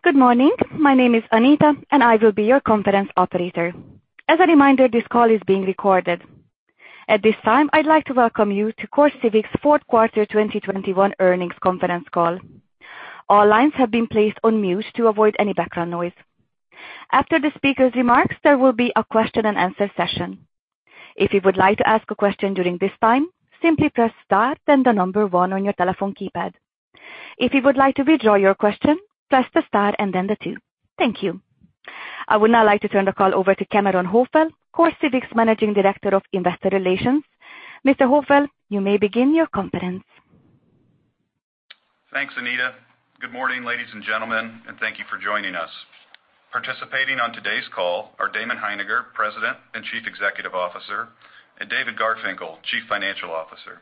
Good morning. My name is Anita, and I will be your conference operator. As a reminder, this call is being recorded. At this time, I'd like to welcome you to CoreCivic's Fourth Quarter 2021 Earnings Conference Call. All lines have been placed on mute to avoid any background noise. After the speaker's remarks, there will be a question and answer session. If you would like to ask a question during this time, simply press star then the number one on your telephone keypad. If you would like to withdraw your question, press the star and then the two. Thank you. I would now like to turn the call over to Cameron Hopewell, CoreCivic's Managing Director of Investor Relations. Mr. Hopewell, you may begin your conference. Thanks, Anita. Good morning, ladies and gentlemen, and thank you for joining us. Participating on today's call are Damon Hininger, President and Chief Executive Officer, and David Garfinkle, Chief Financial Officer.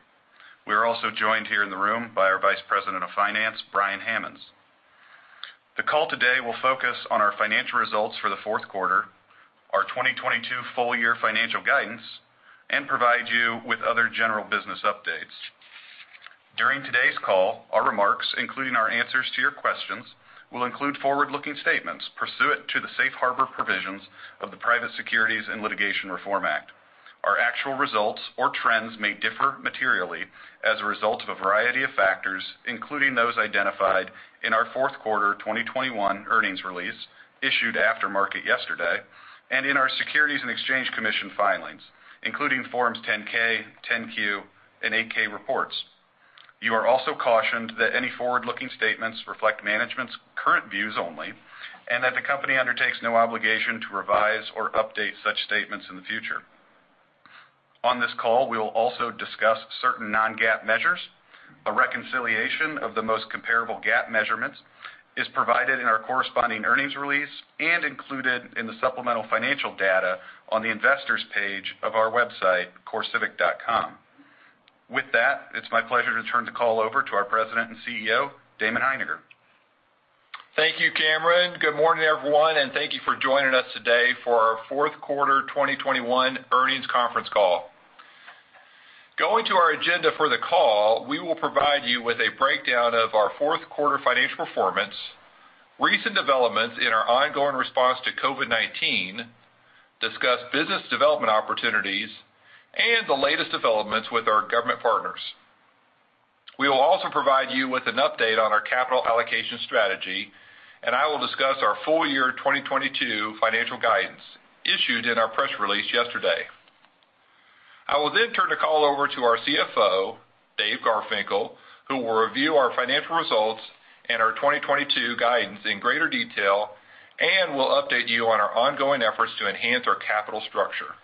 We are also joined here in the room by our Vice President of Finance, Brian Hammonds. The call today will focus on our financial results for the fourth quarter, our 2022 full year financial guidance, and provide you with other general business updates. During today's call, our remarks, including our answers to your questions, will include forward-looking statements pursuant to the safe harbor provisions of the Private Securities Litigation Reform Act. Our actual results or trends may differ materially as a result of a variety of factors, including those identified in our fourth quarter 2021 earnings release issued after market yesterday and in our Securities and Exchange Commission filings, including Forms 10-K, 10-Q, and 8-K reports. You are also cautioned that any forward-looking statements reflect management's current views only, and that the company undertakes no obligation to revise or update such statements in the future. On this call, we will also discuss certain non-GAAP measures. A reconciliation of the most comparable GAAP measurements is provided in our corresponding earnings release and included in the supplemental financial data on the investors page of our website, corecivic.com. With that, it's my pleasure to turn the call over to our President and CEO, Damon Hininger. Thank you, Cameron. Good morning, everyone, and thank you for joining us today for our fourth quarter 2021 earnings conference call. Going to our agenda for the call, we will provide you with a breakdown of our fourth quarter financial performance, recent developments in our ongoing response to COVID-19, discuss business development opportunities and the latest developments with our government partners. We will also provide you with an update on our capital allocation strategy, and I will discuss our full year 2022 financial guidance issued in our press release yesterday. I will then turn the call over to our CFO, Dave Garfinkle, who will review our financial results and our 2022 guidance in greater detail, and will update you on our ongoing efforts to enhance our capital structure.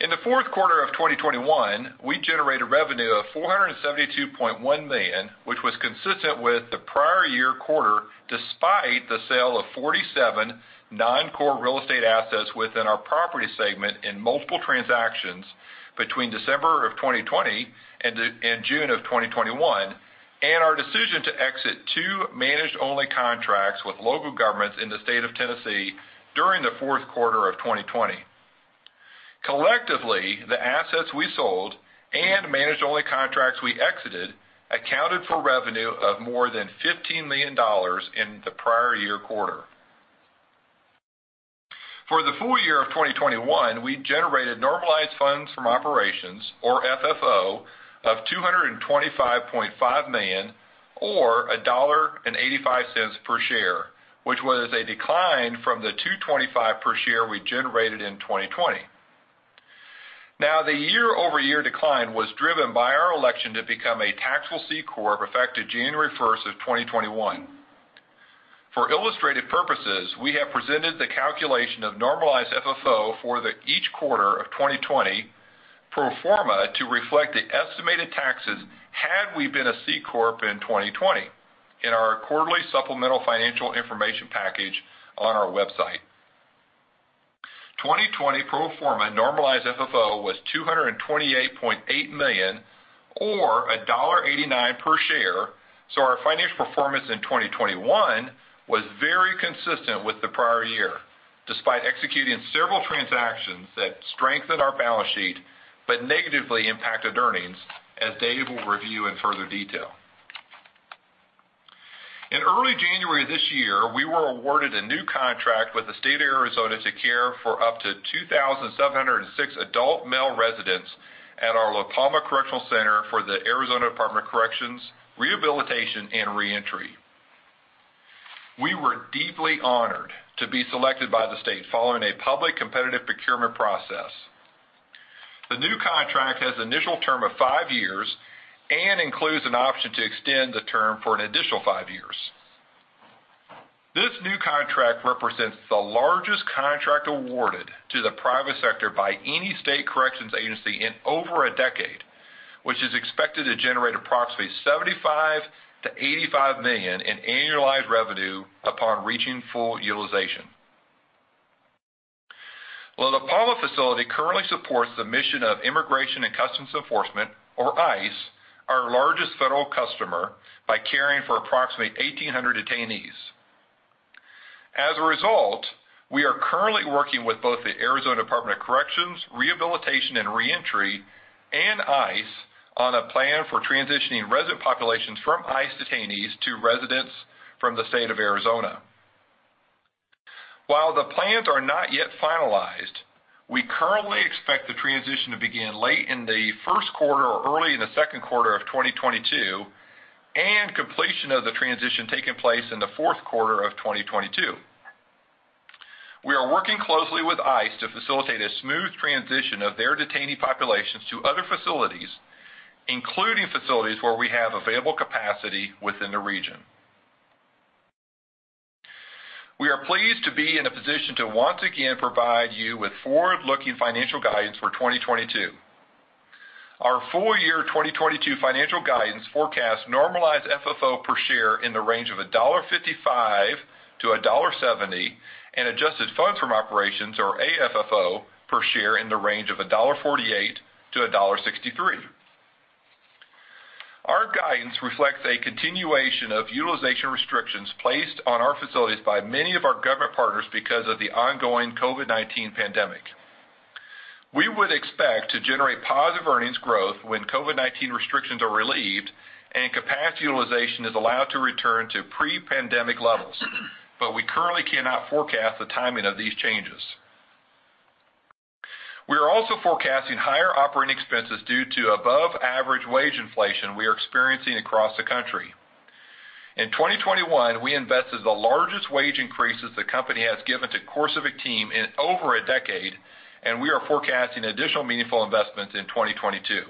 In the fourth quarter of 2021, we generated revenue of $472.1 million, which was consistent with the prior year quarter despite the sale of 47 non-core real estate assets within our property segment in multiple transactions between December of 2020 and June of 2021, and our decision to exit two managed only contracts with local governments in the state of Tennessee during the fourth quarter of 2020. Collectively, the assets we sold and managed only contracts we exited accounted for revenue of more than $15 million in the prior year quarter. For the full year of 2021, we generated normalized funds from operations or FFO of $225.5 million or $1.85 per share, which was a decline from the $2.25 per share we generated in 2020. Now, the year-over-year decline was driven by our election to become a taxable C corp effective January 1st, 2021. For illustrative purposes, we have presented the calculation of normalized FFO for each quarter of 2020 pro forma to reflect the estimated taxes had we been a C corp in 2020 in our quarterly supplemental financial information package on our website. 2020 pro forma normalized FFO was $228.8 million or $1.89 per share. Our financial performance in 2021 was very consistent with the prior year despite executing several transactions that strengthened our balance sheet but negatively impacted earnings, as Dave will review in further detail. In early January this year, we were awarded a new contract with the State of Arizona to care for up to 2,706 adult male residents at our La Palma Correctional Center for the Arizona Department of Corrections, Rehabilitation and Reentry. We were deeply honored to be selected by the state following a public competitive procurement process. The new contract has initial term of five years and includes an option to extend the term for an additional five years. This new contract represents the largest contract awarded to the private sector by any state corrections agency in over a decade, which is expected to generate approximately $75 million-$85 million in annualized revenue upon reaching full utilization. While La Palma facility currently supports the mission of Immigration and Customs Enforcement or ICE, our largest federal customer, by caring for approximately 1,800 detainees. As a result, we are currently working with both the Arizona Department of Corrections, Rehabilitation and Reentry and ICE on a plan for transitioning resident populations from ICE detainees to residents from the state of Arizona. While the plans are not yet finalized, we currently expect the transition to begin late in the first quarter or early in the second quarter of 2022, and completion of the transition taking place in the fourth quarter of 2022. We are working closely with ICE to facilitate a smooth transition of their detainee populations to other facilities, including facilities where we have available capacity within the region. We are pleased to be in a position to once again provide you with forward-looking financial guidance for 2022. Our full year 2022 financial guidance forecast normalized FFO per share in the range of $1.55-$1.70, and adjusted funds from operations or AFFO per share in the range of $1.48-$1.63. Our guidance reflects a continuation of utilization restrictions placed on our facilities by many of our government partners because of the ongoing COVID-19 pandemic. We would expect to generate positive earnings growth when COVID-19 restrictions are relieved and capacity utilization is allowed to return to pre-pandemic levels, but we currently cannot forecast the timing of these changes. We are also forecasting higher operating expenses due to above average wage inflation we are experiencing across the country. In 2021, we invested the largest wage increases the company has given to CoreCivic team in over a decade, and we are forecasting additional meaningful investments in 2022.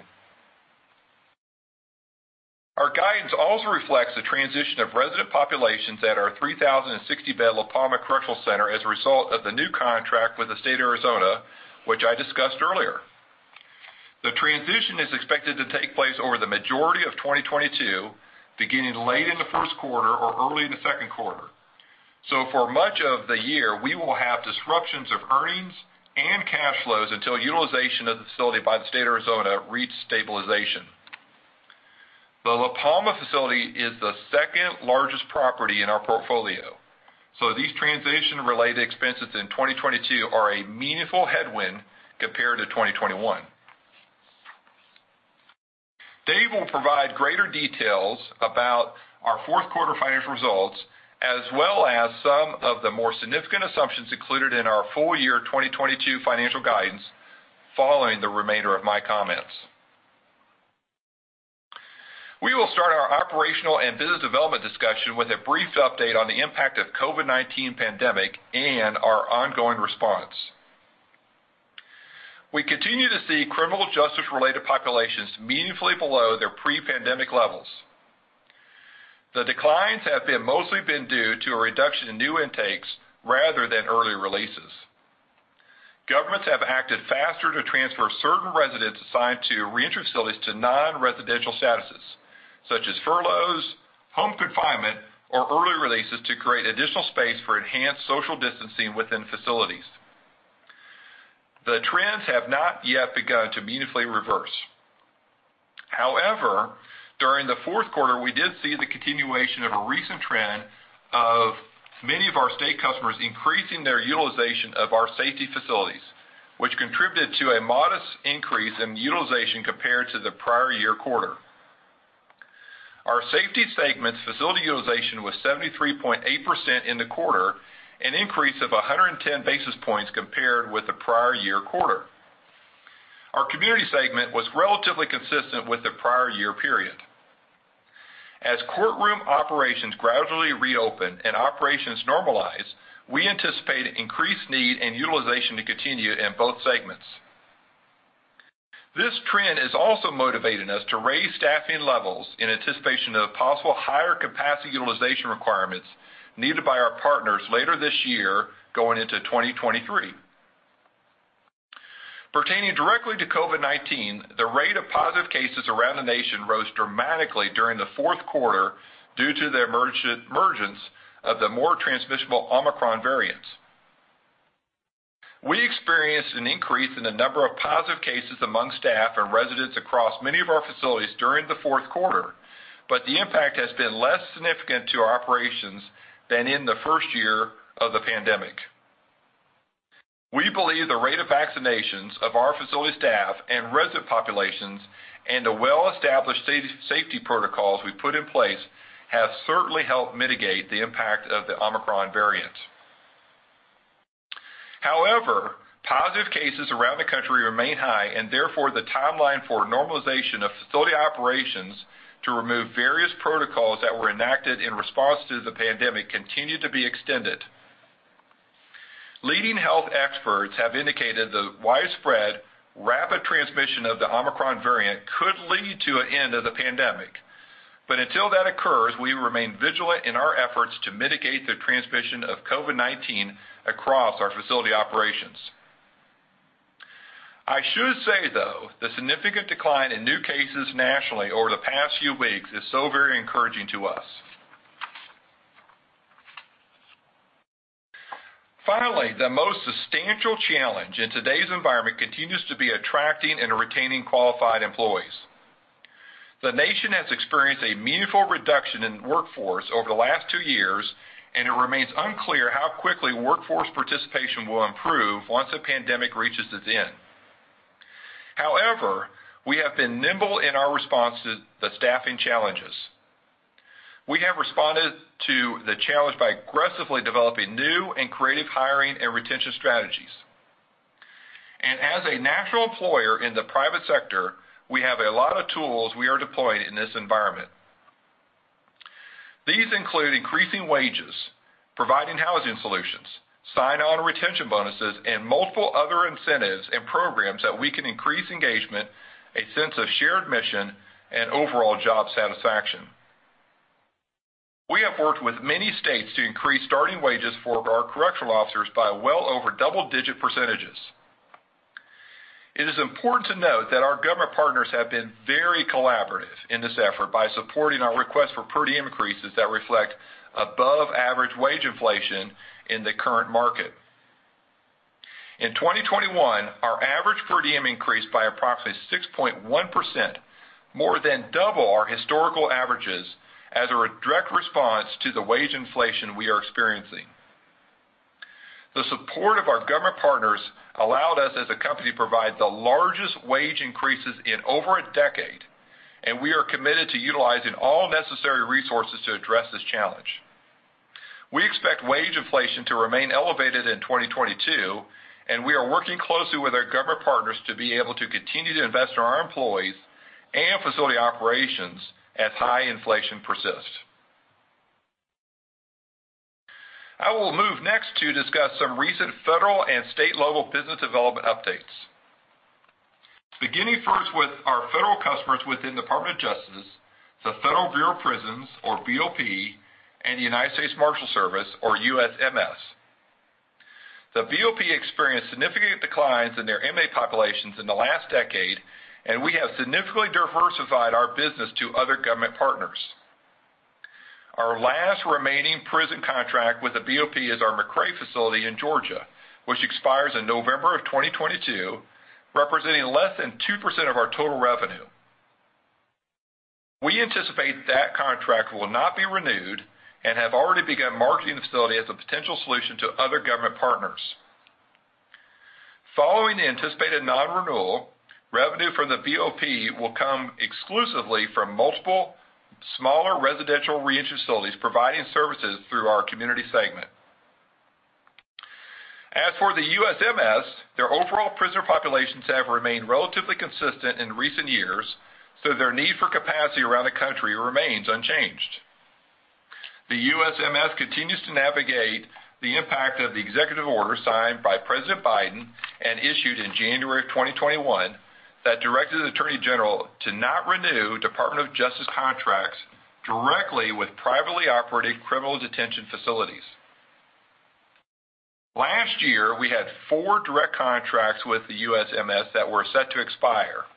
Our guidance also reflects the transition of resident populations at our 3,060-bed La Palma Correctional Center as a result of the new contract with the state of Arizona, which I discussed earlier. The transition is expected to take place over the majority of 2022, beginning late in the first quarter or early in the second quarter. For much of the year, we will have disruptions of earnings and cash flows until utilization of the facility by the state of Arizona reach stabilization. The La Palma facility is the second largest property in our portfolio, so these transition-related expenses in 2022 are a meaningful headwind compared to 2021. Dave Garfinkel will provide greater details about our fourth quarter financial results, as well as some of the more significant assumptions included in our full year 2022 financial guidance following the remainder of my comments. We will start our operational and business development discussion with a brief update on the impact of COVID-19 pandemic and our ongoing response. We continue to see criminal justice related populations meaningfully below their pre-pandemic levels. The declines have mostly been due to a reduction in new intakes rather than early releases. Governments have acted faster to transfer certain residents assigned to reentry facilities to non-residential statuses, such as furloughs, home confinement, or early releases to create additional space for enhanced social distancing within facilities. The trends have not yet begun to meaningfully reverse. However, during the fourth quarter, we did see the continuation of a recent trend of many of our state customers increasing their utilization of our secure facilities, which contributed to a modest increase in utilization compared to the prior year quarter. Our secure segment's facility utilization was 73.8% in the quarter, an increase of 110 basis points compared with the prior year quarter. Our community segment was relatively consistent with the prior year period. As courtroom operations gradually reopen and operations normalize, we anticipate increased need and utilization to continue in both segments. This trend is also motivating us to raise staffing levels in anticipation of possible higher capacity utilization requirements needed by our partners later this year, going into 2023. Pertaining directly to COVID-19, the rate of positive cases around the nation rose dramatically during the fourth quarter due to the emergence of the more transmissible Omicron variant. We experienced an increase in the number of positive cases among staff and residents across many of our facilities during the fourth quarter, but the impact has been less significant to our operations than in the first year of the pandemic. We believe the rate of vaccinations of our facility staff and resident populations and the well-established safety protocols we put in place have certainly helped mitigate the impact of the Omicron variant. However, positive cases around the country remain high, and therefore the timeline for normalization of facility operations to remove various protocols that were enacted in response to the pandemic continue to be extended. Leading health experts have indicated the widespread rapid transmission of the Omicron variant could lead to an end of the pandemic. Until that occurs, we remain vigilant in our efforts to mitigate the transmission of COVID-19 across our facility operations. I should say, though, the significant decline in new cases nationally over the past few weeks is so very encouraging to us. Finally, the most substantial challenge in today's environment continues to be attracting and retaining qualified employees. The nation has experienced a meaningful reduction in workforce over the last two years, and it remains unclear how quickly workforce participation will improve once the pandemic reaches its end. However, we have been nimble in our response to the staffing challenges. We have responded to the challenge by aggressively developing new and creative hiring and retention strategies. As a natural employer in the private sector, we have a lot of tools we are deploying in this environment. These include increasing wages, providing housing solutions, sign-on retention bonuses, and multiple other incentives and programs that we can increase engagement, a sense of shared mission, and overall job satisfaction. We have worked with many states to increase starting wages for our correctional officers by well over double-digit percentages. It is important to note that our government partners have been very collaborative in this effort by supporting our request for per diem increases that reflect above average wage inflation in the current market. In 2021, our average per diem increased by approximately 6.1%, more than double our historical averages as a direct response to the wage inflation we are experiencing. The support of our government partners allowed us as a company to provide the largest wage increases in over a decade, and we are committed to utilizing all necessary resources to address this challenge. We expect wage inflation to remain elevated in 2022, and we are working closely with our government partners to be able to continue to invest in our employees and facility operations as high inflation persists. I will move next to discuss some recent federal and state-level business development updates. Beginning first with our federal customers within the Department of Justice, the Federal Bureau of Prisons, or BOP, and the United States Marshals Service, or USMS. The BOP experienced significant declines in their inmate populations in the last decade, and we have significantly diversified our business to other government partners. Our last remaining prison contract with the BOP is our McRae facility in Georgia, which expires in November of 2022, representing less than 2% of our total revenue. We anticipate that contract will not be renewed and have already begun marketing the facility as a potential solution to other government partners. Following the anticipated non-renewal, revenue from the BOP will come exclusively from multiple smaller residential reentry facilities providing services through our community segment. As for the USMS, their overall prisoner populations have remained relatively consistent in recent years, so their need for capacity around the country remains unchanged. The USMS continues to navigate the impact of the executive order signed by President Biden and issued in January of 2021 that directed the Attorney General to not renew Department of Justice contracts directly with privately operated criminal detention facilities. Last year, we had four direct contracts with the USMS that were set to expire.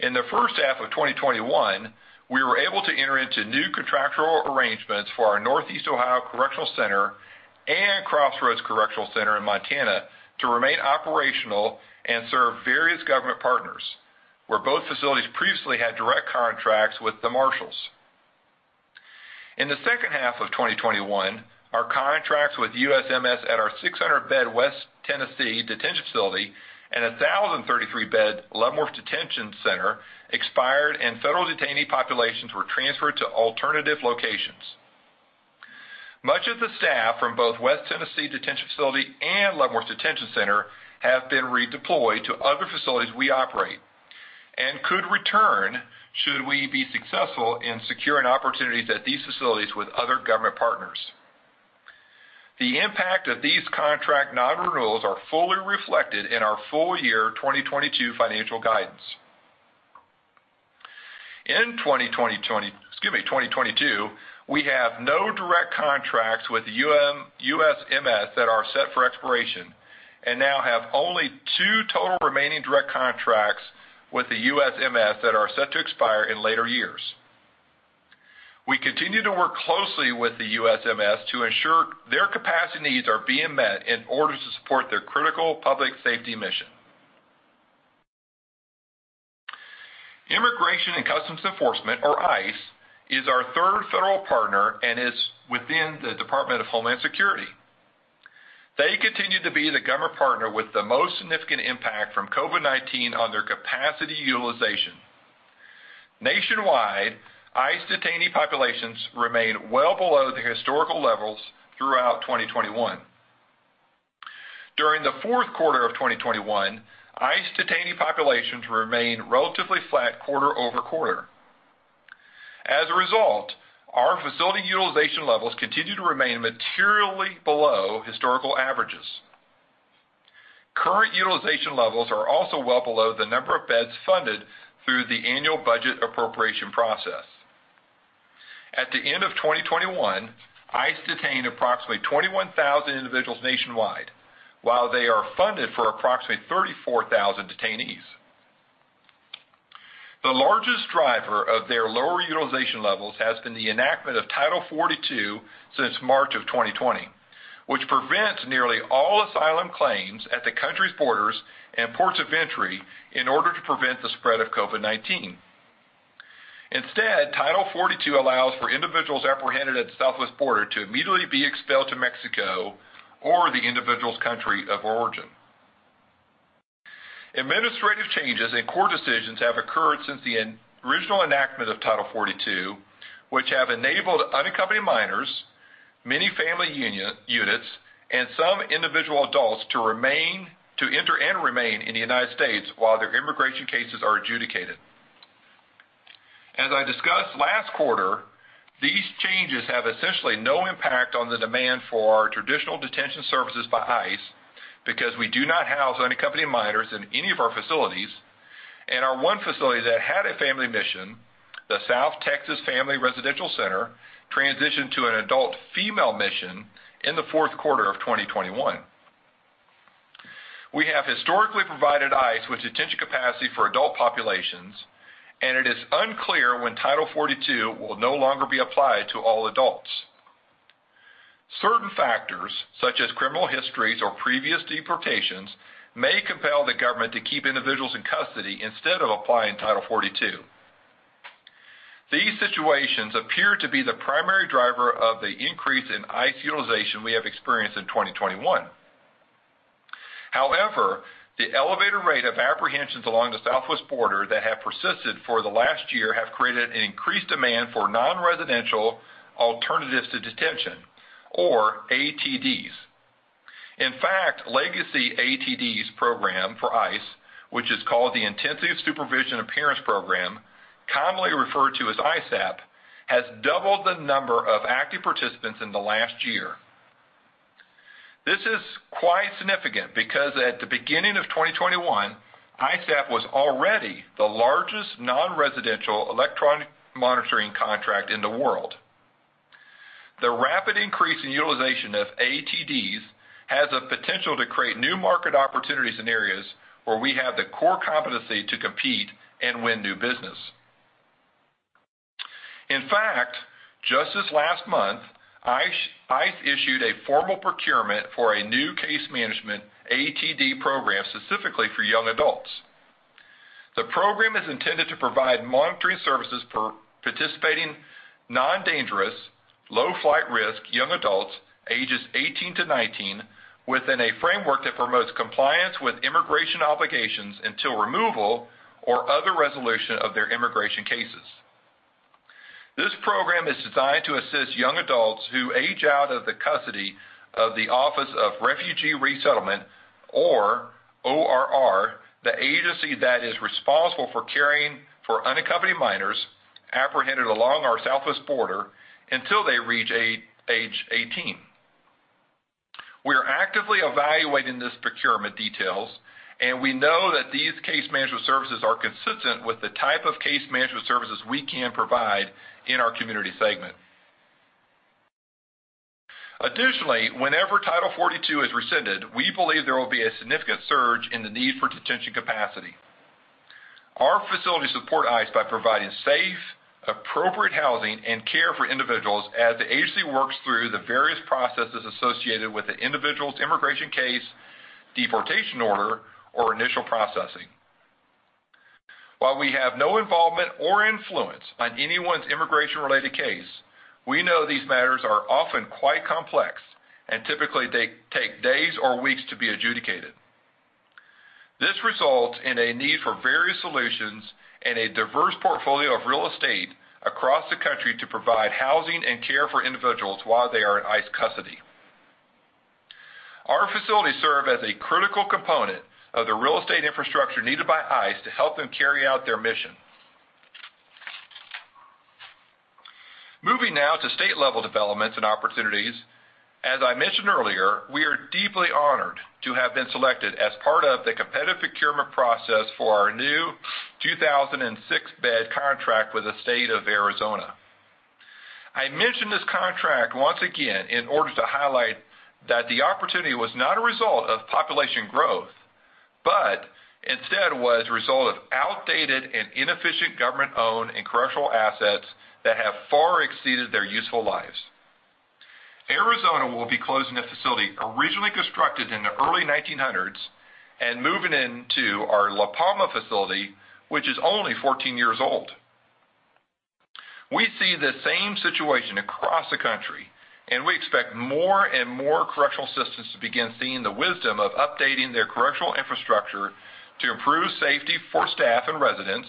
In the first half of 2021, we were able to enter into new contractual arrangements for our Northeast Ohio Correctional Center and Crossroads Correctional Center in Montana to remain operational and serve various government partners, where both facilities previously had direct contracts with the Marshals. In the second half of 2021, our contracts with USMS at our 600-bed West Tennessee Detention Facility and 1,033-bed Leavenworth Detention Center expired and federal detainee populations were transferred to alternative locations. Much of the staff from both West Tennessee Detention Facility and Leavenworth Detention Center have been redeployed to other facilities we operate and could return should we be successful in securing opportunities at these facilities with other government partners. The impact of these contract non-renewals are fully reflected in our full year 2022 financial guidance. In 2022, we have no direct contracts with the USMS that are set for expiration and now have only two total remaining direct contracts with the USMS that are set to expire in later years. We continue to work closely with the USMS to ensure their capacity needs are being met in order to support their critical public safety mission. Immigration and Customs Enforcement, or ICE, is our third federal partner and is within the Department of Homeland Security. They continue to be the government partner with the most significant impact from COVID-19 on their capacity utilization. Nationwide, ICE detainee populations remain well below the historical levels throughout 2021. During the fourth quarter of 2021, ICE detainee populations remained relatively flat quarter-over-quarter. As a result, our facility utilization levels continue to remain materially below historical averages. Current utilization levels are also well below the number of beds funded through the annual budget appropriation process. At the end of 2021, ICE detained approximately 21,000 individuals nationwide while they are funded for approximately 34,000 detainees. The largest driver of their lower utilization levels has been the enactment of Title 42 since March 2020, which prevents nearly all asylum claims at the country's borders and ports of entry in order to prevent the spread of COVID-19. Instead, Title 42 allows for individuals apprehended at the southwest border to immediately be expelled to Mexico or the individual's country of origin. Administrative changes and court decisions have occurred since the original enactment of Title 42, which have enabled unaccompanied minors, many family units, and some individual adults to enter and remain in the United States while their immigration cases are adjudicated. As I discussed last quarter, these changes have essentially no impact on the demand for our traditional detention services by ICE because we do not house unaccompanied minors in any of our facilities, and our one facility that had a family mission, the South Texas Family Residential Center, transitioned to an adult female mission in the fourth quarter of 2021. We have historically provided ICE with detention capacity for adult populations, and it is unclear when Title 42 will no longer be applied to all adults. Certain factors, such as criminal histories or previous deportations, may compel the government to keep individuals in custody instead of applying Title 42. These situations appear to be the primary driver of the increase in ICE utilization we have experienced in 2021. However, the elevated rate of apprehensions along the southwest border that have persisted for the last year have created an increased demand for non-residential alternatives to detention, or ATDs. In fact, the legacy ATDs program for ICE, which is called the Intensive Supervision Appearance Program, commonly referred to as ISAP, has doubled the number of active participants in the last year. This is quite significant because at the beginning of 2021, ISAP was already the largest non-residential electronic monitoring contract in the world. The rapid increase in utilization of ATDs has the potential to create new market opportunities in areas where we have the core competency to compete and win new business. In fact, just this last month, ICE issued a formal procurement for a new case management ATD program specifically for young adults. The program is intended to provide monitoring services for participating non-dangerous, low flight risk young adults ages 18-19 within a framework that promotes compliance with immigration obligations until removal or other resolution of their immigration cases. This program is designed to assist young adults who age out of the custody of the Office of Refugee Resettlement, or ORR, the agency that is responsible for caring for unaccompanied minors apprehended along our southwest border until they reach age 18. We are actively evaluating these procurement details, and we know that these case management services are consistent with the type of case management services we can provide in our community segment. Additionally, whenever Title 42 is rescinded, we believe there will be a significant surge in the need for detention capacity. Our facilities support ICE by providing safe, appropriate housing and care for individuals as the agency works through the various processes associated with the individual's immigration case, deportation order, or initial processing. While we have no involvement or influence on anyone's immigration-related case, we know these matters are often quite complex and typically take days or weeks to be adjudicated. This results in a need for various solutions and a diverse portfolio of real estate across the country to provide housing and care for individuals while they are in ICE custody. Our facilities serve as a critical component of the real estate infrastructure needed by ICE to help them carry out their mission. Moving now to state-level developments and opportunities. As I mentioned earlier, we are deeply honored to have been selected as part of the competitive procurement process for our new 2,006-bed contract with the state of Arizona. I mention this contract once again in order to highlight that the opportunity was not a result of population growth, but instead was a result of outdated and inefficient government-owned and correctional assets that have far exceeded their useful lives. Arizona will be closing a facility originally constructed in the early 1900s and moving into our La Palma facility, which is only 14 years old. We see the same situation across the country, and we expect more and more correctional systems to begin seeing the wisdom of updating their correctional infrastructure to improve safety for staff and residents,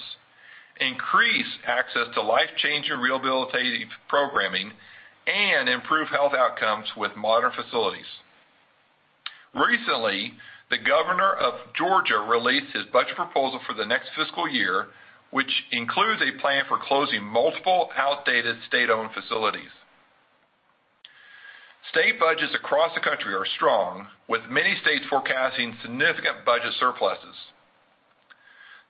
increase access to life-changing rehabilitative programming, and improve health outcomes with modern facilities. Recently, the Governor of Georgia released his budget proposal for the next fiscal year, which includes a plan for closing multiple outdated state-owned facilities. State budgets across the country are strong, with many states forecasting significant budget surpluses.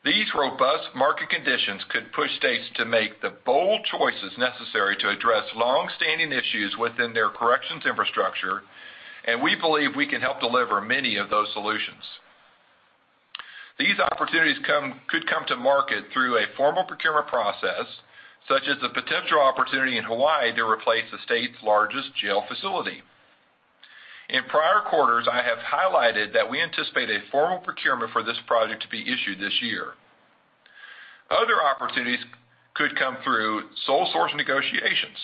These robust market conditions could push states to make the bold choices necessary to address long-standing issues within their corrections infrastructure, and we believe we can help deliver many of those solutions. These opportunities could come to market through a formal procurement process, such as the potential opportunity in Hawaii to replace the state's largest jail facility. In prior quarters, I have highlighted that we anticipate a formal procurement for this project to be issued this year. Other opportunities could come through sole source negotiations.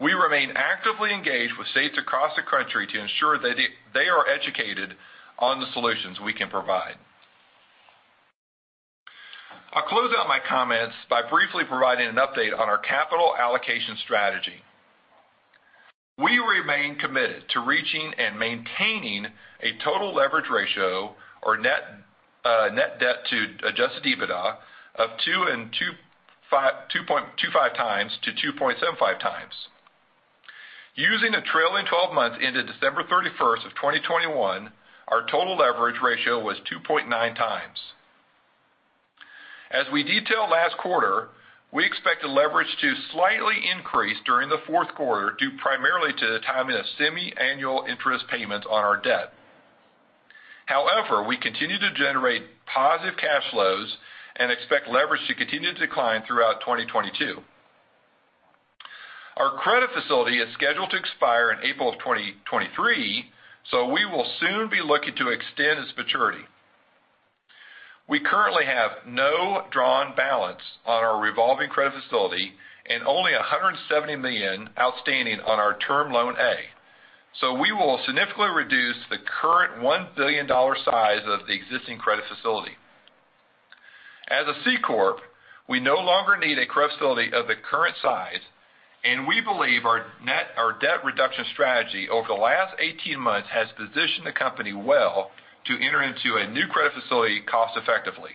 We remain actively engaged with states across the country to ensure that they are educated on the solutions we can provide. I'll close out my comments by briefly providing an update on our capital allocation strategy. We remain committed to reaching and maintaining a total leverage ratio or net debt to adjusted EBITDA of 2.25x-2.75x. Using the trailing twelve months into December 31st, 2021, our total leverage ratio was 2.9x. As we detailed last quarter, we expect the leverage to slightly increase during the fourth quarter, due primarily to the timing of semiannual interest payments on our debt. However, we continue to generate positive cash flows and expect leverage to continue to decline throughout 2022. Our credit facility is scheduled to expire in April of 2023, so we will soon be looking to extend its maturity. We currently have no drawn balance on our revolving credit facility and only $170 million outstanding on our Term Loan A. We will significantly reduce the current $1 billion size of the existing credit facility. As a C corp, we no longer need a credit facility of the current size, and we believe our debt reduction strategy over the last 18 months has positioned the company well to enter into a new credit facility cost effectively.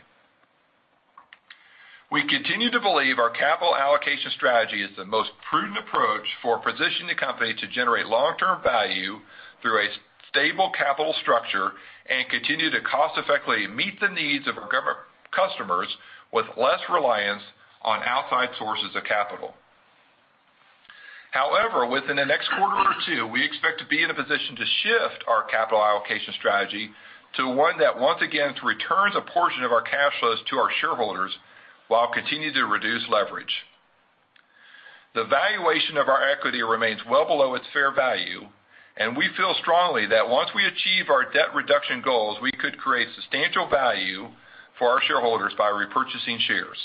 We continue to believe our capital allocation strategy is the most prudent approach for positioning the company to generate long-term value through a stable capital structure and continue to cost effectively meet the needs of our government customers with less reliance on outside sources of capital. However, within the next quarter or two, we expect to be in a position to shift our capital allocation strategy to one that once again returns a portion of our cash flows to our shareholders while continuing to reduce leverage. The valuation of our equity remains well below its fair value, and we feel strongly that once we achieve our debt reduction goals, we could create substantial value for our shareholders by repurchasing shares.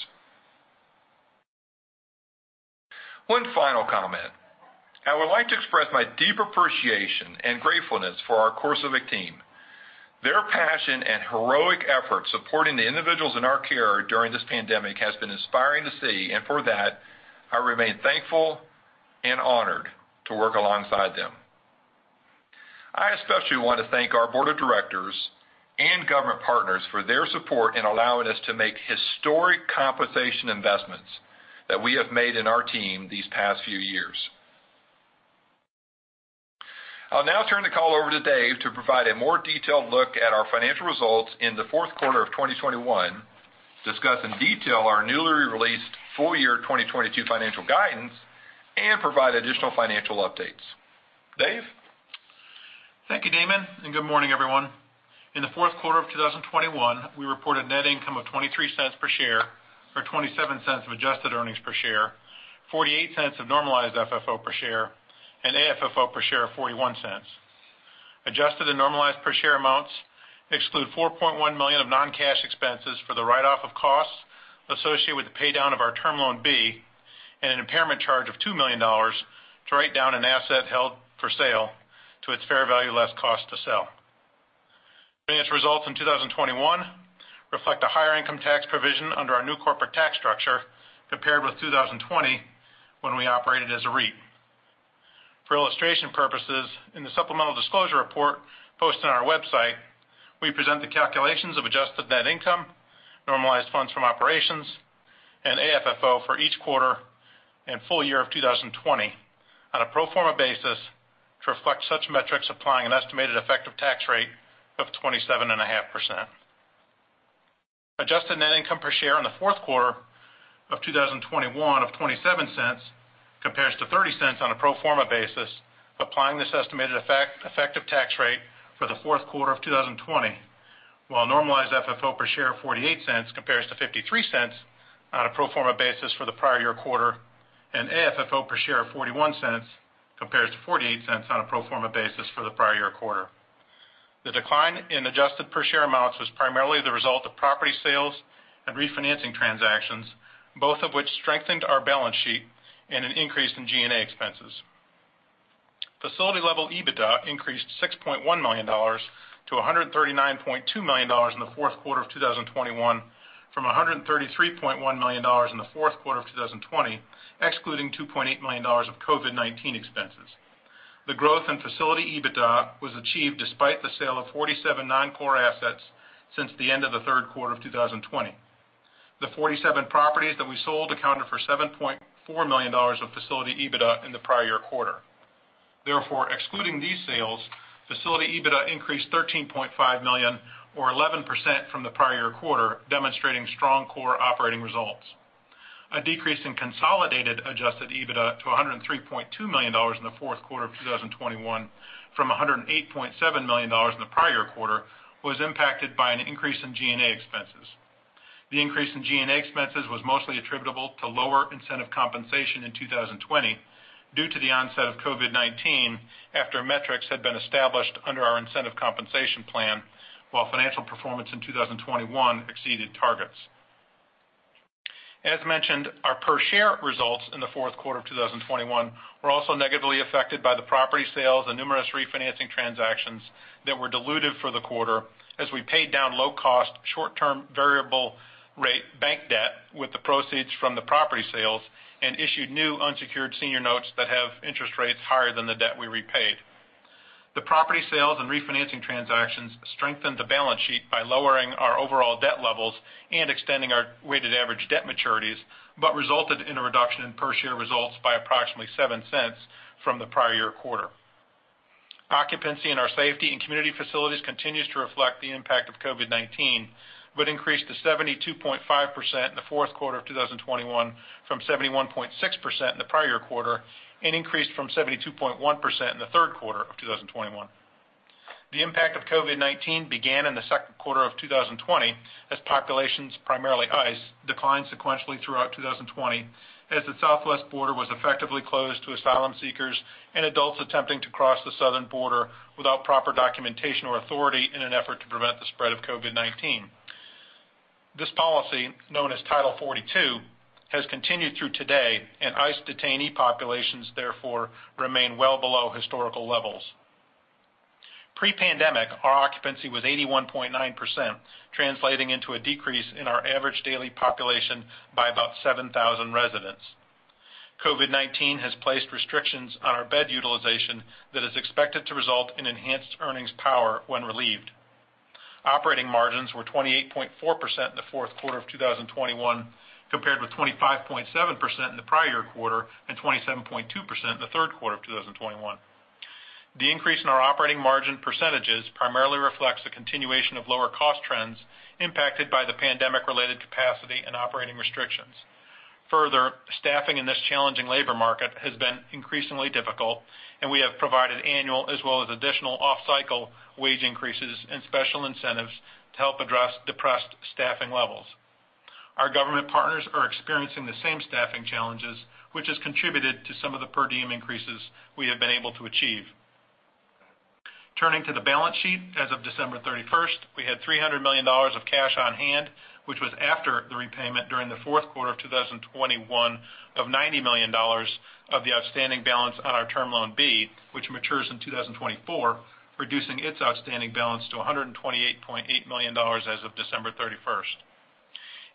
One final comment. I would like to express my deep appreciation and gratefulness for our CoreCivic team. Their passion and heroic efforts supporting the individuals in our care during this pandemic has been inspiring to see, and for that, I remain thankful and honored to work alongside them. I especially want to thank our board of directors and government partners for their support in allowing us to make historic compensation investments that we have made in our team these past few years. I'll now turn the call over to Dave to provide a more detailed look at our financial results in the fourth quarter of 2021, discuss in detail our newly released full year 2022 financial guidance, and provide additional financial updates. Dave? Thank you, Damon, and good morning, everyone. In the fourth quarter of 2021, we reported net income of $0.23 per share or $0.27 of adjusted earnings per share, $0.48 of normalized FFO per share, and AFFO per share of $0.41. Adjusted and normalized per share amounts exclude $4.1 million of non-cash expenses for the write-off of costs associated with the paydown of our Term Loan B and an impairment charge of $2 million to write down an asset held for sale to its fair value less cost to sell. Financial results in 2021 reflect a higher income tax provision under our new corporate tax structure compared with 2020, when we operated as a REIT. For illustration purposes, in the supplemental disclosure report posted on our website, we present the calculations of adjusted net income, normalized funds from operations, and AFFO for each quarter and full year of 2020 on a pro forma basis to reflect such metrics applying an estimated effective tax rate of 27.5%. Adjusted net income per share in the fourth quarter of 2021 of $0.27 compares to $0.30 on a pro forma basis, applying this estimated effective tax rate for the fourth quarter of 2020, while normalized FFO per share of $0.48 compares to $0.53 on a pro forma basis for the prior year quarter, and AFFO per share of $0.41 compares to $0.48 on a pro forma basis for the prior year quarter. The decline in adjusted per share amounts was primarily the result of property sales and refinancing transactions, both of which strengthened our balance sheet and an increase in G&A expenses. Facility level EBITDA increased $6.1 million to $139.2 million in the fourth quarter of 2021 from $133.1 million in the fourth quarter of 2020, excluding $2.8 million of COVID-19 expenses. The growth in facility EBITDA was achieved despite the sale of 47 non-core assets since the end of the third quarter of 2020. The 47 properties that we sold accounted for $7.4 million of facility EBITDA in the prior year quarter. Therefore, excluding these sales, facility EBITDA increased $13.5 million or 11% from the prior year quarter, demonstrating strong core operating results. A decrease in consolidated adjusted EBITDA to $103.2 million in the fourth quarter of 2021 from $108.7 million in the prior quarter was impacted by an increase in G&A expenses. The increase in G&A expenses was mostly attributable to lower incentive compensation in 2020 due to the onset of COVID-19 after metrics had been established under our incentive compensation plan, while financial performance in 2021 exceeded targets. As mentioned, our per share results in the fourth quarter of 2021 were also negatively affected by the property sales and numerous refinancing transactions that were dilutive for the quarter as we paid down low-cost, short-term variable rate bank debt with the proceeds from the property sales and issued new unsecured senior notes that have interest rates higher than the debt we repaid. The property sales and refinancing transactions strengthened the balance sheet by lowering our overall debt levels and extending our weighted average debt maturities, but resulted in a reduction in per share results by approximately $0.07 from the prior year quarter. Occupancy in our safety and community facilities continues to reflect the impact of COVID-19, but increased to 72.5% in the fourth quarter of 2021 from 71.6% in the prior quarter and increased from 72.1% in the third quarter of 2021. The impact of COVID-19 began in the second quarter of 2020 as populations, primarily ICE, declined sequentially throughout 2020 as the southwest border was effectively closed to asylum seekers and adults attempting to cross the southern border without proper documentation or authority in an effort to prevent the spread of COVID-19. This policy, known as Title 42, has continued through today, and ICE detainee populations therefore remain well below historical levels. Pre-pandemic, our occupancy was 81.9%, translating into a decrease in our average daily population by about 7,000 residents. COVID-19 has placed restrictions on our bed utilization that is expected to result in enhanced earnings power when relieved. Operating margins were 28.4% in the fourth quarter of 2021, compared with 25.7% in the prior quarter and 27.2% in the third quarter of 2021. The increase in our operating margin percentages primarily reflects the continuation of lower cost trends impacted by the pandemic-related capacity and operating restrictions. Further, staffing in this challenging labor market has been increasingly difficult, and we have provided annual as well as additional off-cycle wage increases and special incentives to help address depressed staffing levels. Our government partners are experiencing the same staffing challenges, which has contributed to some of the per diem increases we have been able to achieve. Turning to the balance sheet, as of December 31st, we had $300 million of cash on hand, which was after the repayment during the fourth quarter of 2021 of $90 million of the outstanding balance on our Term Loan B, which matures in 2024, reducing its outstanding balance to $128.8 million as of December 31st.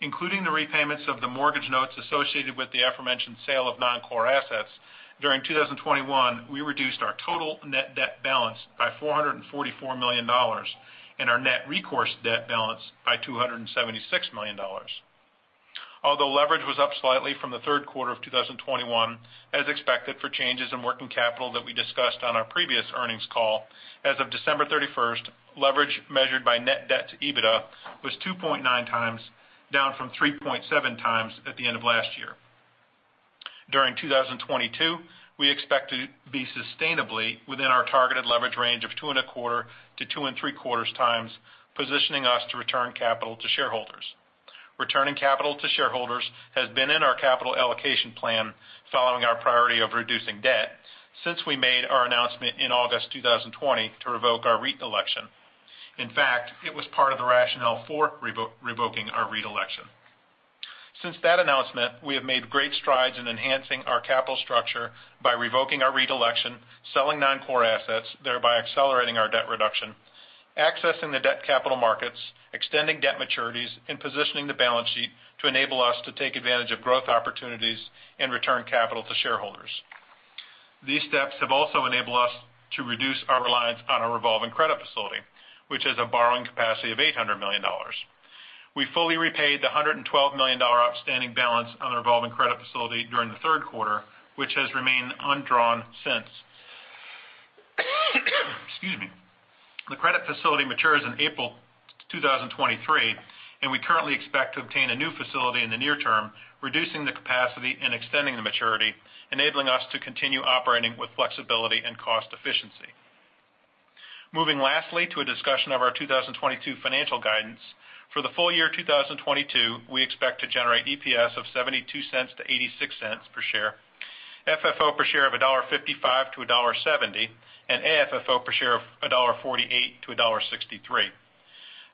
Including the repayments of the mortgage notes associated with the aforementioned sale of non-core assets, during 2021, we reduced our total net debt balance by $444 million and our net recourse debt balance by $276 million. Although leverage was up slightly from the third quarter of 2021, as expected for changes in working capital that we discussed on our previous earnings call, as of December 31st, leverage measured by net debt to EBITDA was 2.9x, down from 3.7x at the end of last year. During 2022, we expect to be sustainably within our targeted leverage range of 2.25x-2.75x, positioning us to return capital to shareholders. Returning capital to shareholders has been in our capital allocation plan following our priority of reducing debt since we made our announcement in August 2020 to revoke our REIT election. In fact, it was part of the rationale for revoking our REIT election. Since that announcement, we have made great strides in enhancing our capital structure by revoking our REIT election, selling non-core assets, thereby accelerating our debt reduction, accessing the debt capital markets, extending debt maturities, and positioning the balance sheet to enable us to take advantage of growth opportunities and return capital to shareholders. These steps have also enabled us to reduce our reliance on our revolving credit facility, which has a borrowing capacity of $800 million. We fully repaid the $112 million outstanding balance on the revolving credit facility during the third quarter, which has remained undrawn since. Excuse me. The credit facility matures in April 2023, and we currently expect to obtain a new facility in the near term, reducing the capacity and extending the maturity, enabling us to continue operating with flexibility and cost efficiency. Moving lastly to a discussion of our 2022 financial guidance, for the full year 2022, we expect to generate EPS of $0.72-$0.86 per share, FFO per share of $1.55-$1.70, and AFFO per share of $1.48-$1.63.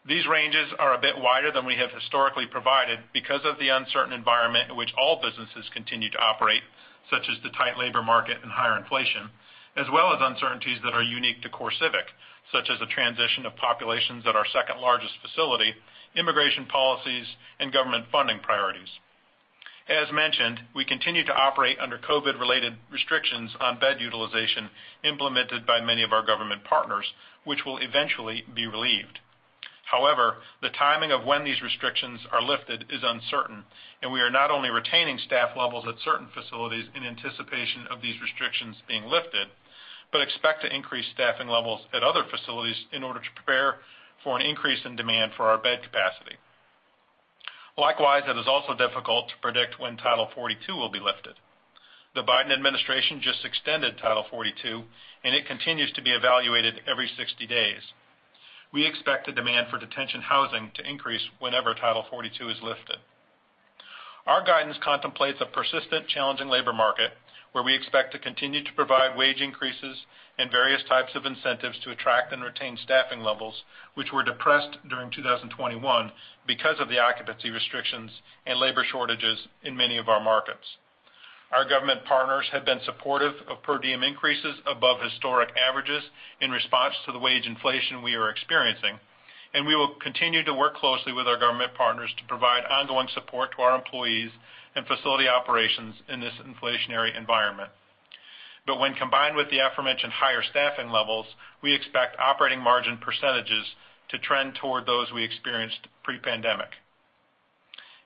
These ranges are a bit wider than we have historically provided because of the uncertain environment in which all businesses continue to operate, such as the tight labor market and higher inflation, as well as uncertainties that are unique to CoreCivic, such as the transition of populations at our second-largest facility, immigration policies, and government funding priorities. As mentioned, we continue to operate under COVID-related restrictions on bed utilization implemented by many of our government partners, which will eventually be relieved. However, the timing of when these restrictions are lifted is uncertain, and we are not only retaining staff levels at certain facilities in anticipation of these restrictions being lifted, but expect to increase staffing levels at other facilities in order to prepare for an increase in demand for our bed capacity. Likewise, it is also difficult to predict when Title 42 will be lifted. The Biden administration just extended Title 42, and it continues to be evaluated every 60 days. We expect the demand for detention housing to increase whenever Title 42 is lifted. Our guidance contemplates a persistent challenging labor market, where we expect to continue to provide wage increases and various types of incentives to attract and retain staffing levels, which were depressed during 2021 because of the occupancy restrictions and labor shortages in many of our markets. Our government partners have been supportive of per diem increases above historic averages in response to the wage inflation we are experiencing, and we will continue to work closely with our government partners to provide ongoing support to our employees and facility operations in this inflationary environment. When combined with the aforementioned higher staffing levels, we expect operating margin percentages to trend toward those we experienced pre-pandemic.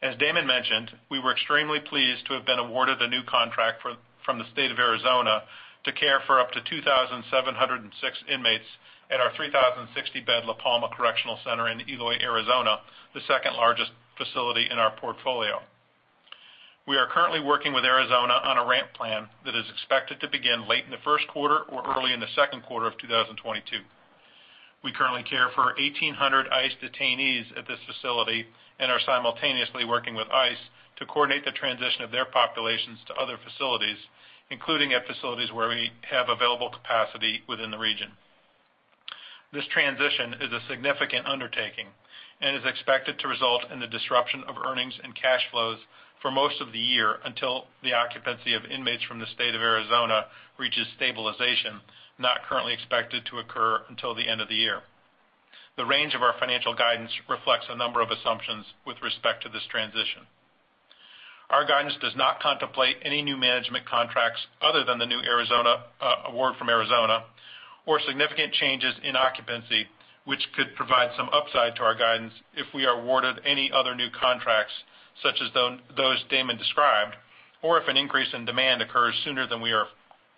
As Damon mentioned, we were extremely pleased to have been awarded a new contract from the state of Arizona to care for up to 2,706 inmates at our 3,060-bed La Palma Correctional Center in Eloy, Arizona, the second-largest facility in our portfolio. We are currently working with Arizona on a ramp plan that is expected to begin late in the first quarter or early in the second quarter of 2022. We currently care for 1,800 ICE detainees at this facility and are simultaneously working with ICE to coordinate the transition of their populations to other facilities, including at facilities where we have available capacity within the region. This transition is a significant undertaking and is expected to result in the disruption of earnings and cash flows for most of the year until the occupancy of inmates from the state of Arizona reaches stabilization, not currently expected to occur until the end of the year. The range of our financial guidance reflects a number of assumptions with respect to this transition. Our guidance does not contemplate any new management contracts other than the new Arizona award from Arizona, or significant changes in occupancy, which could provide some upside to our guidance if we are awarded any other new contracts, such as those Damon described, or if an increase in demand occurs sooner than we are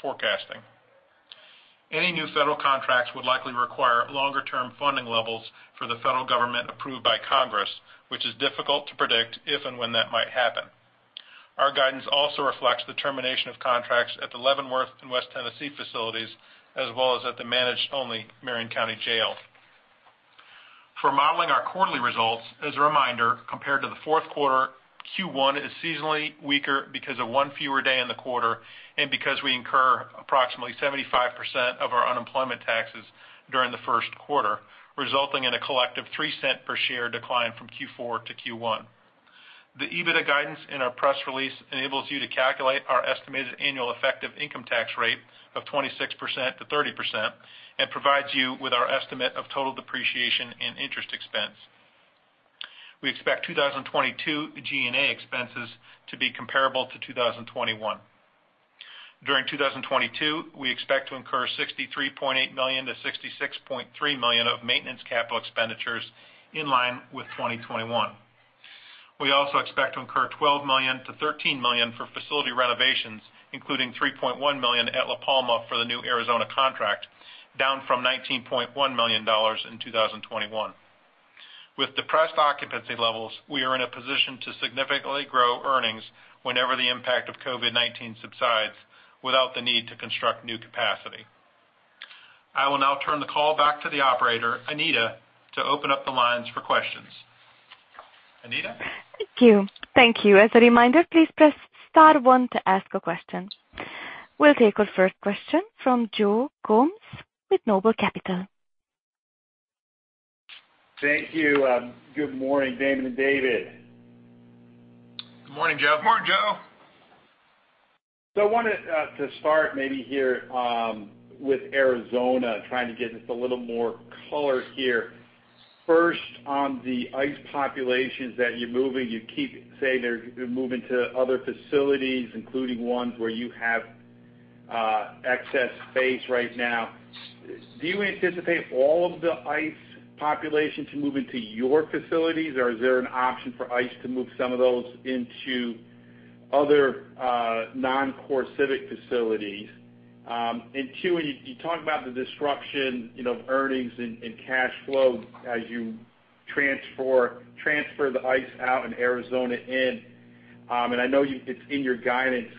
forecasting. Any new federal contracts would likely require longer-term funding levels for the federal government approved by Congress, which is difficult to predict if and when that might happen. Our guidance also reflects the termination of contracts at the Leavenworth and West Tennessee facilities, as well as at the managed-only Marion County Jail. For modeling our quarterly results, as a reminder, compared to the fourth quarter, Q1 is seasonally weaker because of one fewer day in the quarter and because we incur approximately 75% of our unemployment taxes during the first quarter, resulting in a collective $0.03 per share decline from Q4 to Q1. The EBITDA guidance in our press release enables you to calculate our estimated annual effective income tax rate of 26%-30% and provides you with our estimate of total depreciation and interest expense. We expect 2022 G&A expenses to be comparable to 2021. During 2022, we expect to incur $63.8 million-$66.3 million of maintenance capital expenditures in line with 2021. We also expect to incur $12 million-$13 million for facility renovations, including $3.1 million at La Palma for the new Arizona contract, down from $19.1 million in 2021. With depressed occupancy levels, we are in a position to significantly grow earnings whenever the impact of COVID-19 subsides without the need to construct new capacity. I will now turn the call back to the operator, Anita, to open up the lines for questions. Anita? Thank you. Thank you. As a reminder, please press star one to ask a question. We'll take our first question from Joe Gomes with Noble Capital. Thank you. Good morning, Damon and David. Good morning, Joe. Good morning, Joe. I wanted to start maybe here with Arizona, trying to get just a little more color here. First, on the ICE populations that you're moving, you keep saying they're moving to other facilities, including ones where you have excess space right now. Do you anticipate all of the ICE population to move into your facilities or is there an option for ICE to move some of those into other non-CoreCivic facilities? Two, you talked about the disruption, you know, of earnings and cash flow as you transfer the ICE out and Arizona in. I know it's in your guidance.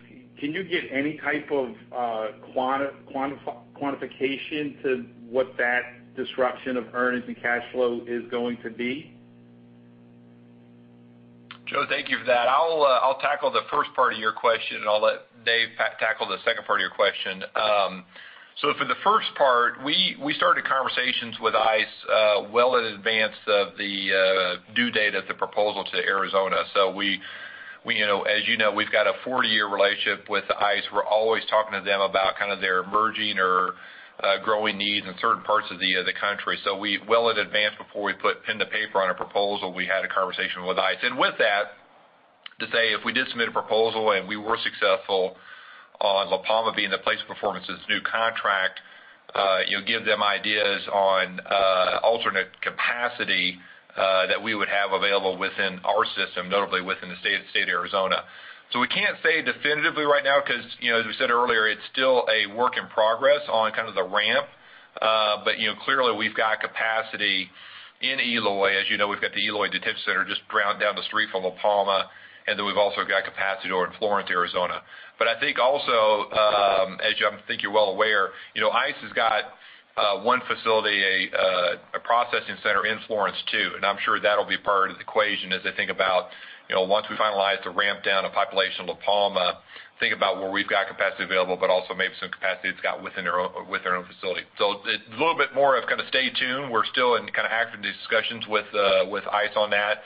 Can you give any type of quantification to what that disruption of earnings and cash flow is going to be? Joe, thank you for that. I'll tackle the first part of your question, and I'll let Dave tackle the second part of your question. For the first part, we started conversations with ICE well in advance of the due date of the proposal to Arizona. We you know, we've got a 40-year relationship with ICE. We're always talking to them about kind of their emerging or growing needs in certain parts of the country. We well in advance before we put pen to paper on a proposal, we had a conversation with ICE. With that, to say if we did submit a proposal and we were successful on La Palma being the place of performance of this new contract, you'll give them ideas on alternate capacity that we would have available within our system, notably within the state of Arizona. We can't say definitively right now, 'cause, you know, as we said earlier, it's still a work in progress on kind of the ramp You know, clearly, we've got capacity in Eloy. As you know, we've got the Eloy Detention Center just around down the street from La Palma, and then we've also got capacity over in Florence, Arizona. I think also, I think you're well aware, you know, ICE has got one facility, a processing center in Florence too, and I'm sure that'll be part of the equation as they think about, you know, once we finalize the ramp down of population of La Palma, think about where we've got capacity available, but also maybe some capacity it's got with their own facility. It's a little bit more of kind of stay tuned. We're still in kind of active discussions with ICE on that.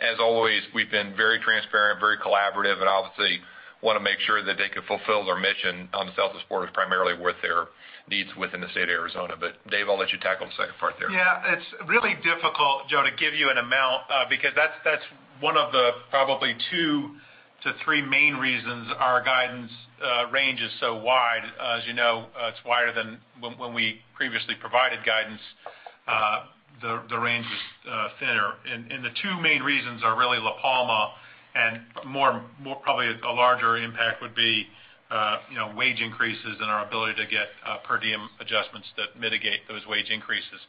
As always, we've been very transparent, very collaborative, and obviously wanna make sure that they can fulfill their mission on the southwest border, primarily with their needs within the state of Arizona. Dave, I'll let you tackle the second part there. Yeah. It's really difficult, Joe, to give you an amount because that's one of the probably two to three main reasons our guidance range is so wide. As you know, it's wider than when we previously provided guidance, the range is thinner. The two main reasons are really La Palma and more probably a larger impact would be wage increases and our ability to get per diem adjustments that mitigate those wage increases.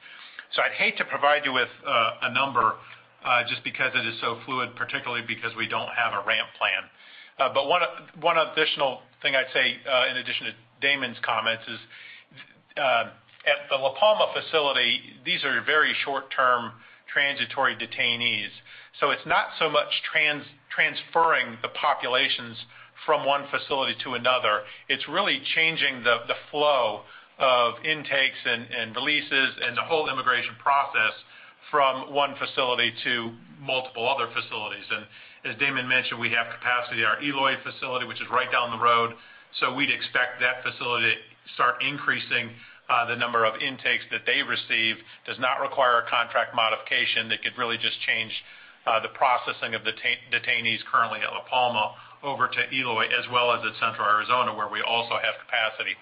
I'd hate to provide you with a number just because it is so fluid, particularly because we don't have a ramp plan. One additional thing I'd say in addition to Damon's comments is at the La Palma facility, these are very short-term transitory detainees. It's not so much transferring the populations from one facility to another. It's really changing the flow of intakes and releases and the whole immigration process from one facility to multiple other facilities. As Damon mentioned, we have capacity at our Eloy facility, which is right down the road, so we'd expect that facility to start increasing the number of intakes that they receive. It does not require a contract modification. They could really just change the processing of detainees currently at La Palma over to Eloy, as well as at Central Arizona, where we also have capacity.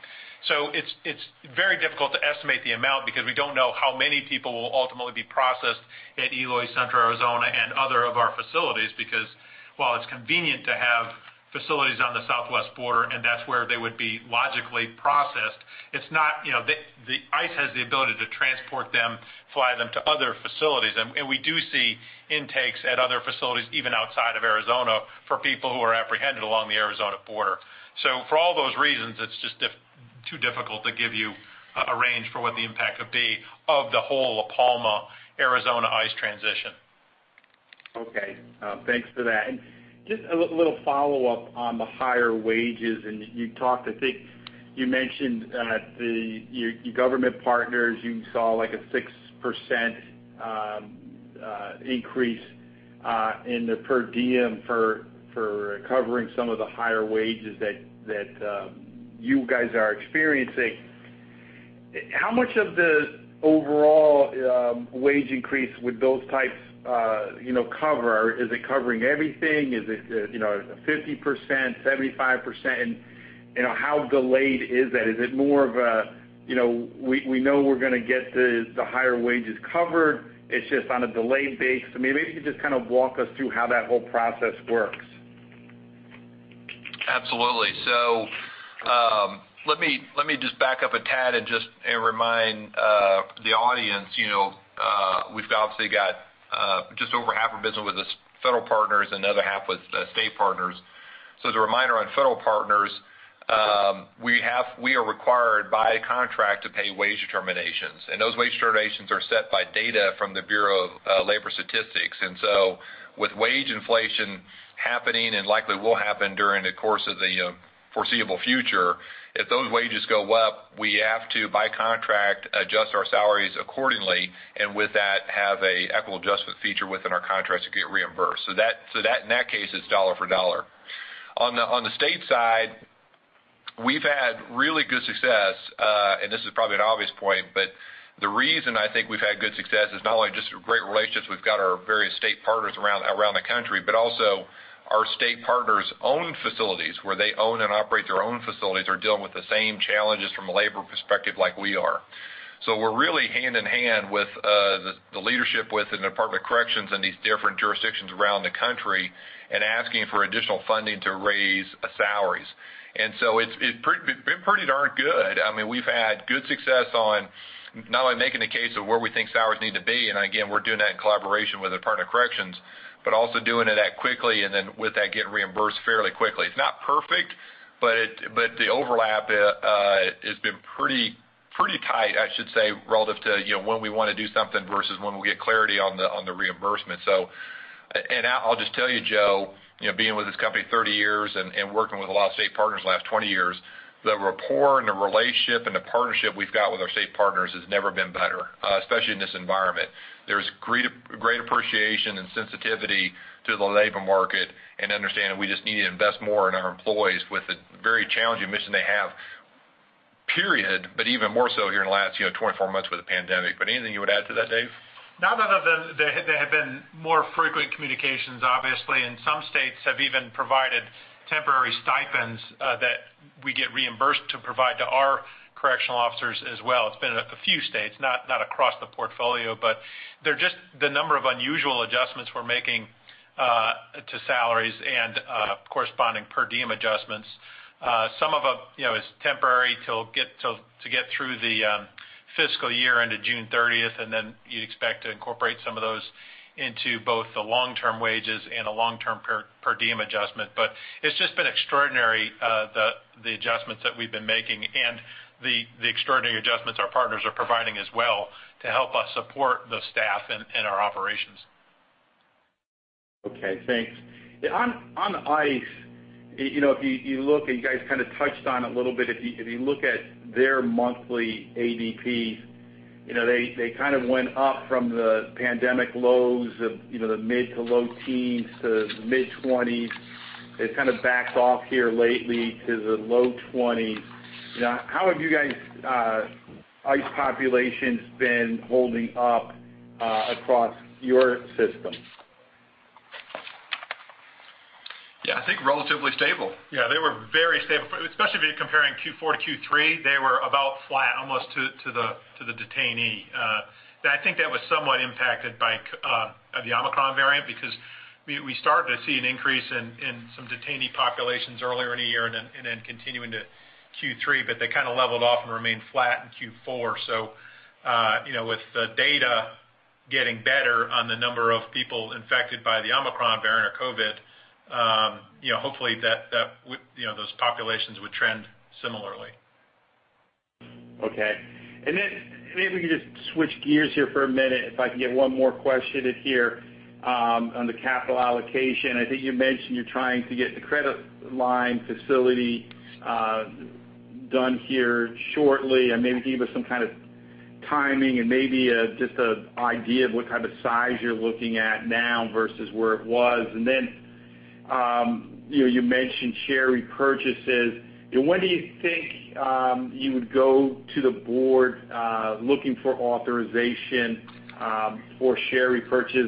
It's very difficult to estimate the amount because we don't know how many people will ultimately be processed at Eloy, Central Arizona, and other of our facilities. Because while it's convenient to have facilities on the southwest border, and that's where they would be logically processed, it's not. You know, ICE has the ability to transport them, fly them to other facilities. We do see intakes at other facilities, even outside of Arizona, for people who are apprehended along the Arizona border. It's just too difficult to give you a range for what the impact could be of the whole La Palma, Arizona ICE transition. Okay. Thanks for that. Just a little follow-up on the higher wages. You talked, I think you mentioned that your government partners, you saw, like, a 6% increase in the per diem for covering some of the higher wages that you guys are experiencing. How much of the overall wage increase would those types, you know, cover? Is it covering everything? Is it, you know, 50%, 75%? You know, how delayed is that? Is it more of a, you know, we know we're gonna get the higher wages covered, it's just on a delayed basis? I mean, maybe you could just kind of walk us through how that whole process works. Absolutely. Let me just back up a tad and remind the audience, you know, we've obviously got just over half our business with the federal partners and the other half with state partners. As a reminder on federal partners, we are required by contract to pay wage determinations, and those wage determinations are set by data from the Bureau of Labor Statistics. With wage inflation happening, and likely will happen during the course of the foreseeable future, if those wages go up, we have to, by contract, adjust our salaries accordingly, and with that, have an equitable adjustment feature within our contract to get reimbursed. That, in that case, it's dollar for dollar. On the state side, we've had really good success, and this is probably an obvious point, but the reason I think we've had good success is not only just the great relationships we've got with our various state partners around the country, but also our state partners' own facilities, where they own and operate their own facilities, are dealing with the same challenges from a labor perspective like we are. We're really hand in hand with the leadership with the Department of Corrections in these different jurisdictions around the country and asking for additional funding to raise salaries. It's been pretty darn good. I mean, we've had good success on not only making the case of where we think salaries need to be, and again, we're doing that in collaboration with the Department of Corrections, but also doing it that quickly and then with that, getting reimbursed fairly quickly. It's not perfect, but the overlap has been pretty tight, I should say, relative to, you know, when we wanna do something versus when we'll get clarity on the reimbursement. So, I'll just tell you, Joe, you know, being with this company 30 years and working with a lot of state partners the last 20 years, the rapport and the relationship and the partnership we've got with our state partners has never been better, especially in this environment. There's great appreciation and sensitivity to the labor market and understanding we just need to invest more in our employees with the very challenging mission they have, period, but even more so here in the last, you know, 24 months with the pandemic. Anything you would add to that, David Garfinkle? No. Other than there have been more frequent communications, obviously, and some states have even provided temporary stipends that we get reimbursed to provide to our correctional officers as well. It's been a few states, not across the portfolio. There are just the number of unusual adjustments we're making to salaries and corresponding per diem adjustments. Some of them is temporary to get through the fiscal year end of June 30th, and then you'd expect to incorporate some of those into both the long-term wages and a long-term per diem adjustment. It's just been extraordinary, the adjustments that we've been making and the extraordinary adjustments our partners are providing as well to help us support the staff and our operations. Okay, thanks. Yeah, on ICE, you know, if you look and you guys kind of touched on a little bit, if you look at their monthly ADPs, you know, they kind of went up from the pandemic lows of, you know, the mid- to low-10s to mid-20s. It's kind of backed off here lately to the low 20s. You know, how have you guys' ICE populations been holding up across your system? Yeah. I think relatively stable. Yeah, they were very stable, especially if you're comparing Q4 to Q3. They were about flat almost to the detainee. I think that was somewhat impacted by the Omicron variant because we started to see an increase in some detainee populations earlier in the year and then continuing to Q3, but they kind of leveled off and remained flat in Q4. You know, with the data getting better on the number of people infected by the Omicron variant or COVID, you know, hopefully that would, you know, those populations would trend similarly. Okay. Then maybe we could just switch gears here for a minute if I can get one more question in here on the capital allocation. I think you mentioned you're trying to get the credit line facility done here shortly, and maybe give us some kind of timing and maybe just an idea of what type of size you're looking at now versus where it was. You know, you mentioned share repurchases. You know, when do you think you would go to the board looking for authorization for share repurchase?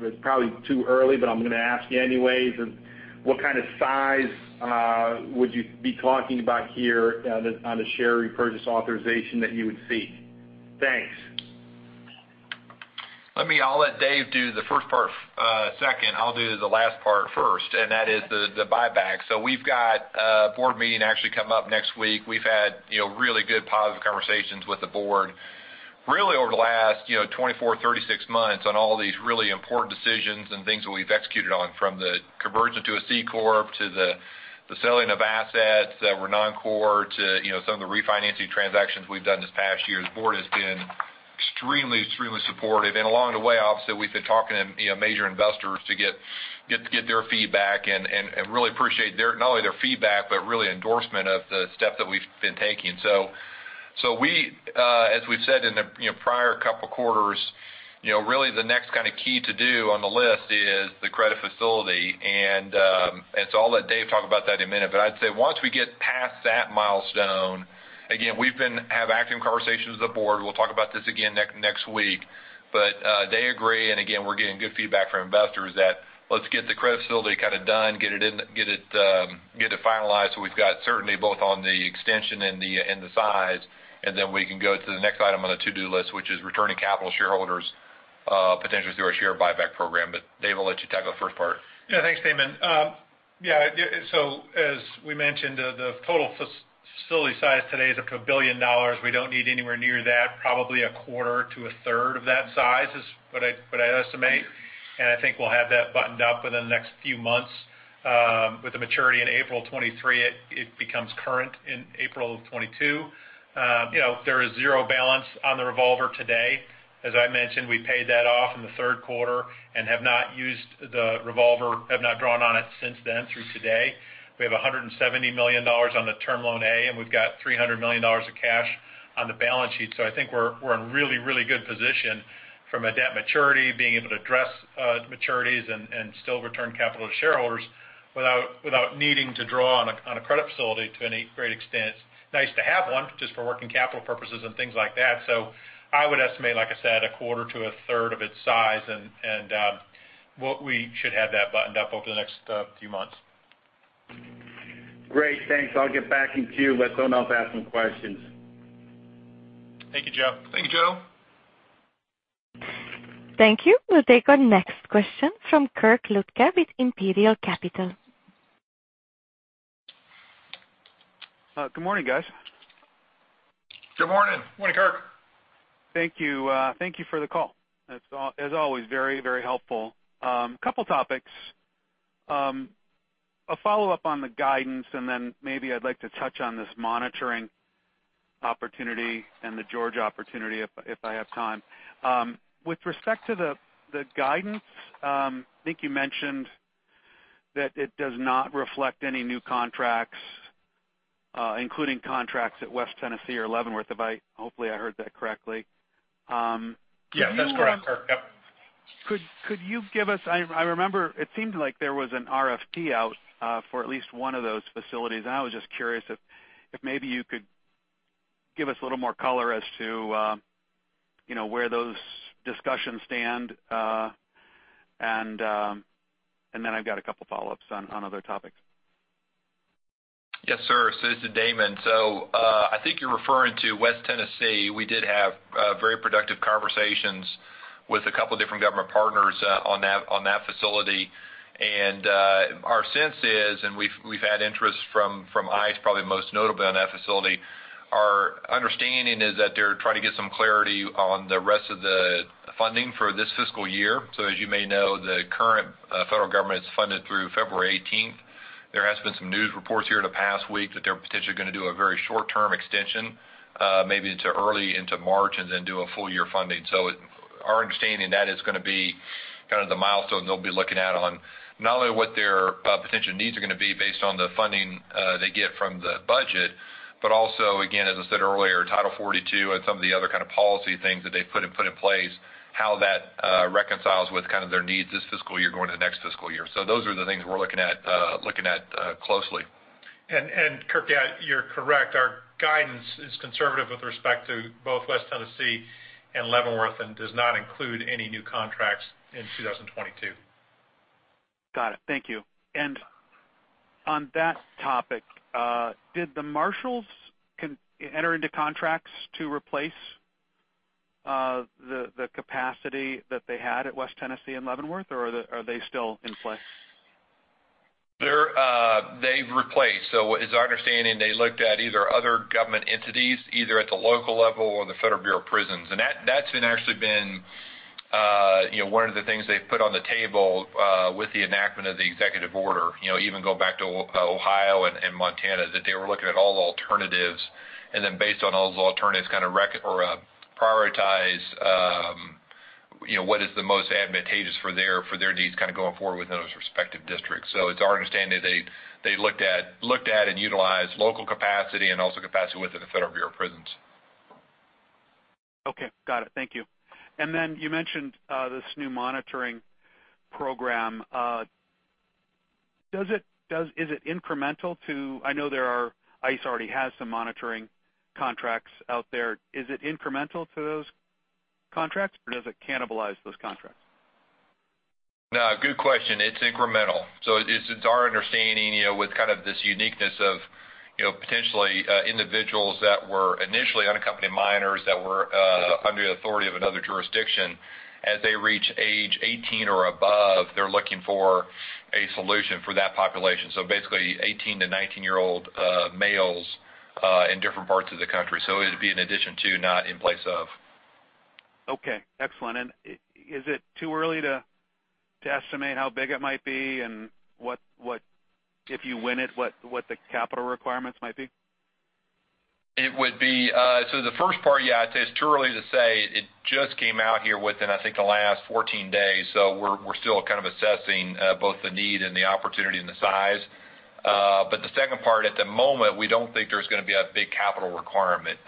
It's probably too early, but I'm gonna ask you anyways. What kind of size would you be talking about here on a share repurchase authorization that you would seek? Thanks. I'll let Dave do the first part, second. I'll do the last part first, and that is the buyback. We've got a board meeting actually coming up next week. We've had, you know, really good, positive conversations with the board really over the last, you know, 24months, 36 months on all these really important decisions and things that we've executed on from the conversion to a C corp, to the selling of assets that were non-core, to, you know, some of the refinancing transactions we've done this past year. The board has been extremely supportive. Along the way, obviously, we've been talking to, you know, major investors to get their feedback and really appreciate their, not only their feedback, but really endorsement of the steps that we've been taking. We, as we've said in the prior couple quarters, really the next kind of key to do on the list is the credit facility. I'll let Dave talk about that in a minute. I'd say once we get past that milestone, again, we've been having active conversations with the board. We'll talk about this again next week. They agree, and again, we're getting good feedback from investors that let's get the credit facility kind of done, get it finalized so we've got certainty both on the extension and the size, and then we can go to the next item on the to-do list, which is returning capital to shareholders, potentially through our share buyback program. Dave, I'll let you tackle the first part. Yeah. Thanks, Damon. Yeah, so as we mentioned, the total facility size today is up to $1 billion. We don't need anywhere near that, probably a quarter to a third of that size is what I estimate. I think we'll have that buttoned up within the next few months. With the maturity in April 2023, it becomes current in April of 2022. You know, there is zero balance on the revolver today. As I mentioned, we paid that off in the third quarter and have not used the revolver, have not drawn on it since then through today. We have $170 million on the Term Loan A, and we've got $300 million of cash on the balance sheet. I think we're in really good position from a debt maturity, being able to address maturities and still return capital to shareholders without needing to draw on a credit facility to any great extent. It's nice to have one just for working capital purposes and things like that. I would estimate, like I said, a quarter to a third of its size and we should have that buttoned up over the next few months. Great. Thanks. I'll get back in queue and let someone else ask some questions. Thank you, Joe. Thank you, Joe. Thank you. We'll take our next question from Kirk Ludtke with Imperial Capital. Good morning, guys. Good morning. Morning, Kirk. Thank you. Thank you for the call. It's, as always, very, very helpful. Couple topics. A follow-up on the guidance, and then maybe I'd like to touch on this monitoring opportunity and the Georgia opportunity if I have time. With respect to the guidance, I think you mentioned that it does not reflect any new contracts, including contracts at West Tennessee or Leavenworth, hopefully I heard that correctly. If you- Yes, that's correct, Kirk. Yep. Could you give us? I remember it seemed like there was an RFP out for at least one of those facilities. I was just curious if maybe you could give us a little more color as to, you know, where those discussions stand. Then I've got a couple follow-ups on other topics. Yes, sir. This is Damon. I think you're referring to West Tennessee. We did have very productive conversations with a couple different government partners on that facility. Our sense is, and we've had interest from ICE, probably most notably on that facility. Our understanding is that they're trying to get some clarity on the rest of the funding for this fiscal year. As you may know, the current federal government is funded through February eighteenth. There has been some news reports here in the past week that they're potentially gonna do a very short-term extension, maybe into early March and then do a full year funding. Our understanding, that is gonna be kind of the milestone they'll be looking at on not only what their potential needs are gonna be based on the funding they get from the budget, but also, again, as I said earlier, Title 42 and some of the other kind of policy things that they've put in place, how that reconciles with kind of their needs this fiscal year going to the next fiscal year. Those are the things we're looking at closely. Kirk, yeah, you're correct. Our guidance is conservative with respect to both West Tennessee and Leavenworth, and does not include any new contracts in 2022. Got it. Thank you. On that topic, did the marshals enter into contracts to replace the capacity that they had at West Tennessee and Leavenworth, or are they still in place? They've replaced. It's our understanding they looked at either other government entities, either at the local level or the Federal Bureau of Prisons. That's actually been one of the things they've put on the table with the enactment of the executive order, even going back to Ohio and Montana, that they were looking at all alternatives. Then based on all those alternatives, or prioritize what is the most advantageous for their needs going forward within those respective districts. It's our understanding they looked at and utilized local capacity and also capacity within the Federal Bureau of Prisons. Okay. Got it. Thank you. You mentioned this new monitoring program. I know there are, ICE already has some monitoring contracts out there. Is it incremental to those contracts, or does it cannibalize those contracts? No, good question. It's incremental. It's our understanding, you know, with kind of this uniqueness of, you know, potentially individuals that were initially unaccompanied minors that were under the authority of another jurisdiction, as they reach age 18 or above, they're looking for a solution for that population. Basically 18-19-year-old males in different parts of the country. It'd be an addition to, not in place of. Okay, excellent. Is it too early to estimate how big it might be and what, if you win it, what the capital requirements might be? It would be so the first part, yeah, I'd say it's too early to say. It just came out here within, I think, the last 14 days, so we're still kind of assessing both the need and the opportunity and the size. The second part, at the moment, we don't think there's gonna be a big capital requirement.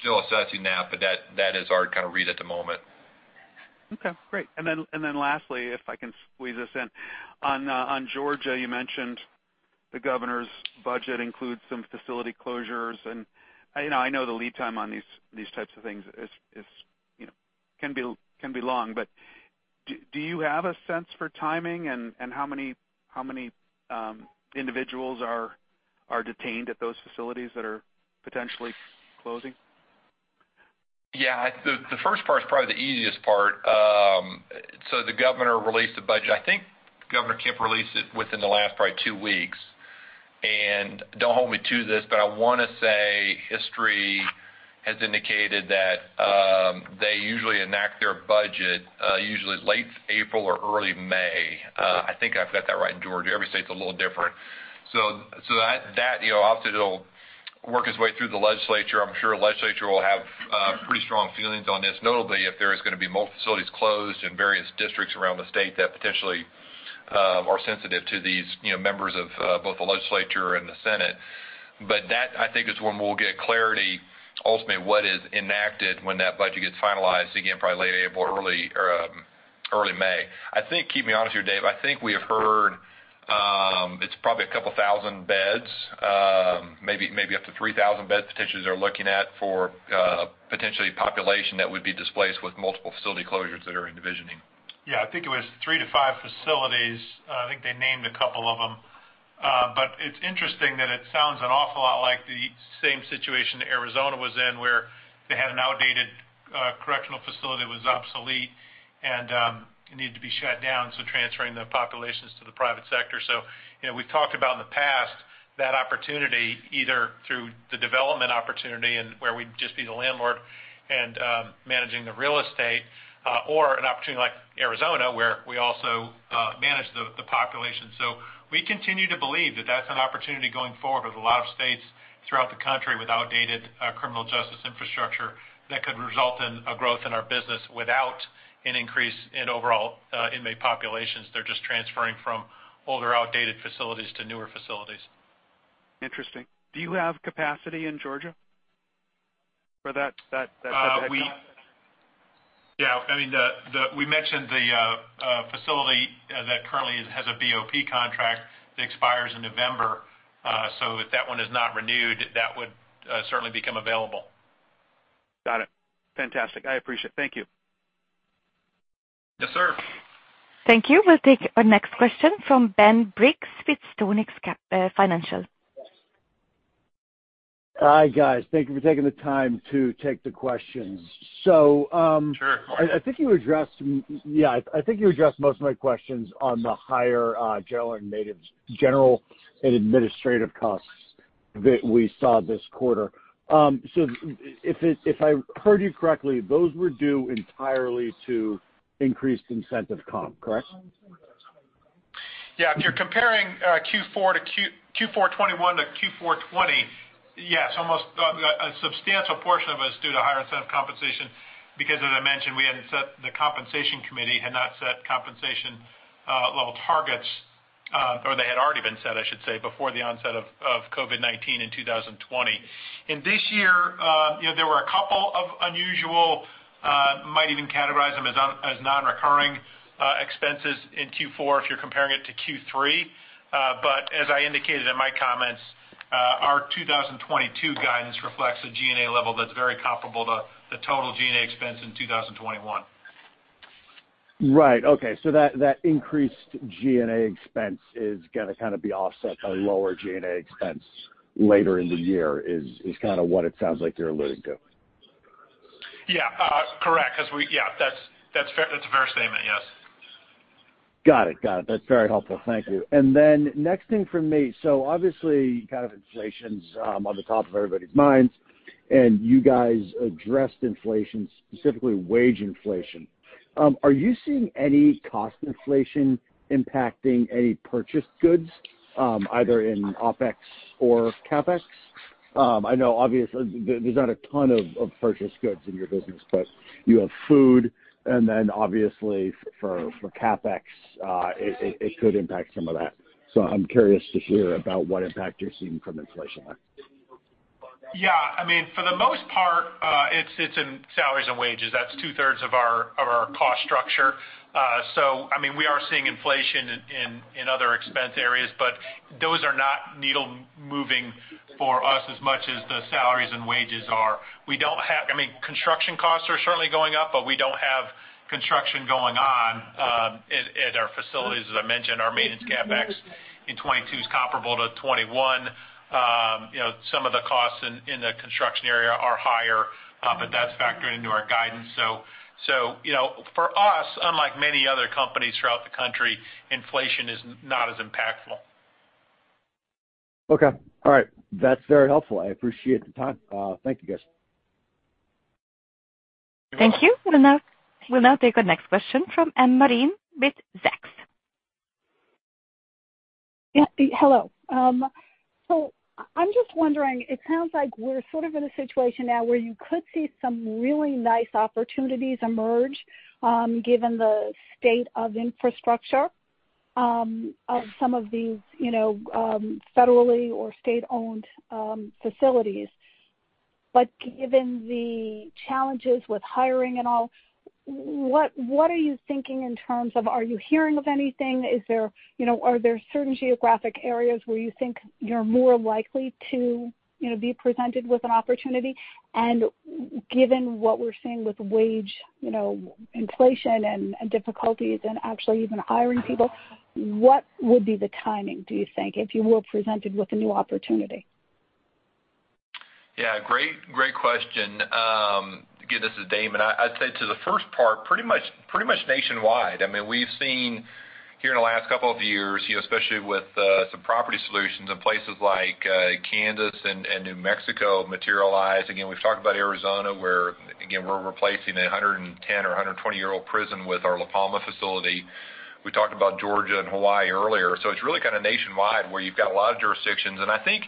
Still assessing that, but that is our kind of read at the moment. Okay, great. Lastly, if I can squeeze this in. On Georgia, you mentioned the Governor's budget includes some facility closures. You know, I know the lead time on these types of things is, you know, can be long. Do you have a sense for timing and how many individuals are detained at those facilities that are potentially closing? Yeah. The first part is probably the easiest part. The governor released the budget, I think Governor Kemp released it within the last probably two weeks. Don't hold me to this, but I wanna say history has indicated that they usually enact their budget usually late April or early May. I think I've got that right in Georgia. Every state's a little different. That, you know, obviously it'll work its way through the legislature. I'm sure legislature will have pretty strong feelings on this, notably if there is gonna be multiple facilities closed in various districts around the state that potentially are sensitive to these, you know, members of both the legislature and the Senate. That, I think, is when we'll get clarity ultimately what is enacted when that budget gets finalized, again, probably late April or early May. I think, keep me honest here, Dave, I think we have heard it's probably a couple thousand beds, maybe up to 3,000 beds potentially they're looking at for potentially population that would be displaced with multiple facility closures that are in decommissioning. Yeah, I think it was three to five facilities. I think they named a couple of them. It's interesting that it sounds an awful lot like the same situation that Arizona was in, where they had an outdated correctional facility that was obsolete and needed to be shut down, so transferring the populations to the private sector. You know, we've talked about in the past that opportunity, either through the development opportunity and where we'd just be the landlord and managing the real estate, or an opportunity like Arizona, where we also manage the population. We continue to believe that that's an opportunity going forward with a lot of states throughout the country with outdated criminal justice infrastructure that could result in a growth in our business without an increase in overall inmate populations. They're just transferring from older, outdated facilities to newer facilities. Interesting. Do you have capacity in Georgia for that type of headcount? Yeah, I mean, the facility we mentioned that currently has a BOP contract that expires in November. If that one is not renewed, that would certainly become available. Got it. Fantastic, I appreciate it. Thank you. Yes, sir. Thank you. We'll take our next question from Ben Briggs with StoneX Financial. Hi, guys. Thank you for taking the time to take the questions. Sure. I think you addressed most of my questions on the higher general and administrative costs that we saw this quarter. If I heard you correctly, those were due entirely to increased incentive comp, correct? Yeah. If you're comparing Q4 2021 to Q4 2020, yes, almost, a substantial portion of it is due to higher incentive compensation, because as I mentioned, we hadn't set, the compensation committee had not set compensation level targets, or they had already been set, I should say, before the onset of COVID-19 in 2020. In this year, you know, there were a couple of unusual, might even categorize them as non-recurring expenses in Q4 if you're comparing it to Q3. But as I indicated in my comments, our 2022 guidance reflects a G&A level that's very comparable to the total G&A expense in 2021. Right. Okay. That increased G&A expense is gonna kind of be offset by lower G&A expense later in the year, is kind of what it sounds like you're alluding to. Yeah. Correct. Yeah, that's fair. That's a fair statement, yes. Got it. That's very helpful. Thank you. Next thing from me, obviously, kind of inflation's on the top of everybody's minds, and you guys addressed inflation, specifically wage inflation. Are you seeing any cost inflation impacting any purchased goods, either in OpEx or CapEx? I know obviously there's not a ton of purchased goods in your business, but you have food, and then obviously for CapEx, it could impact some of that. I'm curious to hear about what impact you're seeing from inflation. Yeah. I mean, for the most part, it's in salaries and wages. That's 2/3 of our cost structure. I mean, we are seeing inflation in other expense areas, but those are not needle-moving for us as much as the salaries and wages are. I mean, construction costs are certainly going up, but we don't have construction going on at our facilities. As I mentioned, our maintenance CapEx in 2022 is comparable to 2021. You know, some of the costs in the construction area are higher, but that's factored into our guidance. You know, for us, unlike many other companies throughout the country, inflation is not as impactful. Okay. All right. That's very helpful. I appreciate the time. Thank you, guys. Thank you. We'll now take the next question from Marla Marin with Zacks. Yeah. Hello. I'm just wondering, it sounds like we're sort of in a situation now where you could see some really nice opportunities emerge, given the state of infrastructure, of some of these, you know, federally or state-owned, facilities. Given the challenges with hiring and all, what are you thinking in terms of? Are you hearing of anything? Is there, you know, are there certain geographic areas where you think you're more likely to, you know, be presented with an opportunity? Given what we're seeing with wage, you know, inflation and difficulties in actually even hiring people, what would be the timing, do you think, if you were presented with a new opportunity? Yeah, great question. Again, this is Damon. I'd say to the first part, pretty much nationwide. I mean, we've seen here in the last couple of years, you know, especially with some property solutions in places like Kansas and New Mexico materialize. Again, we've talked about Arizona, where again, we're replacing a 110- or 120-year-old prison with our La Palma facility. We talked about Georgia and Hawaii earlier. It's really kind of nationwide, where you've got a lot of jurisdictions. I think,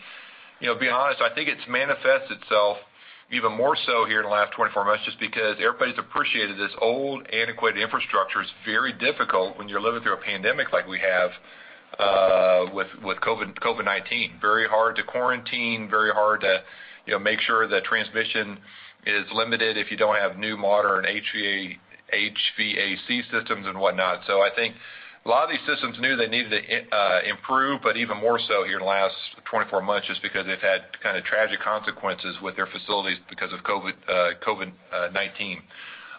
you know, being honest, I think it's manifested itself even more so here in the last 24 months just because everybody's appreciated this old antiquated infrastructure is very difficult when you're living through a pandemic like we have with COVID-19. Very hard to quarantine, very hard to, you know, make sure that transmission is limited if you don't have new modern HVAC systems and whatnot. I think a lot of these systems knew they needed to improve, but even more so here in the last 24 months just because they've had kind of tragic consequences with their facilities because of COVID-19.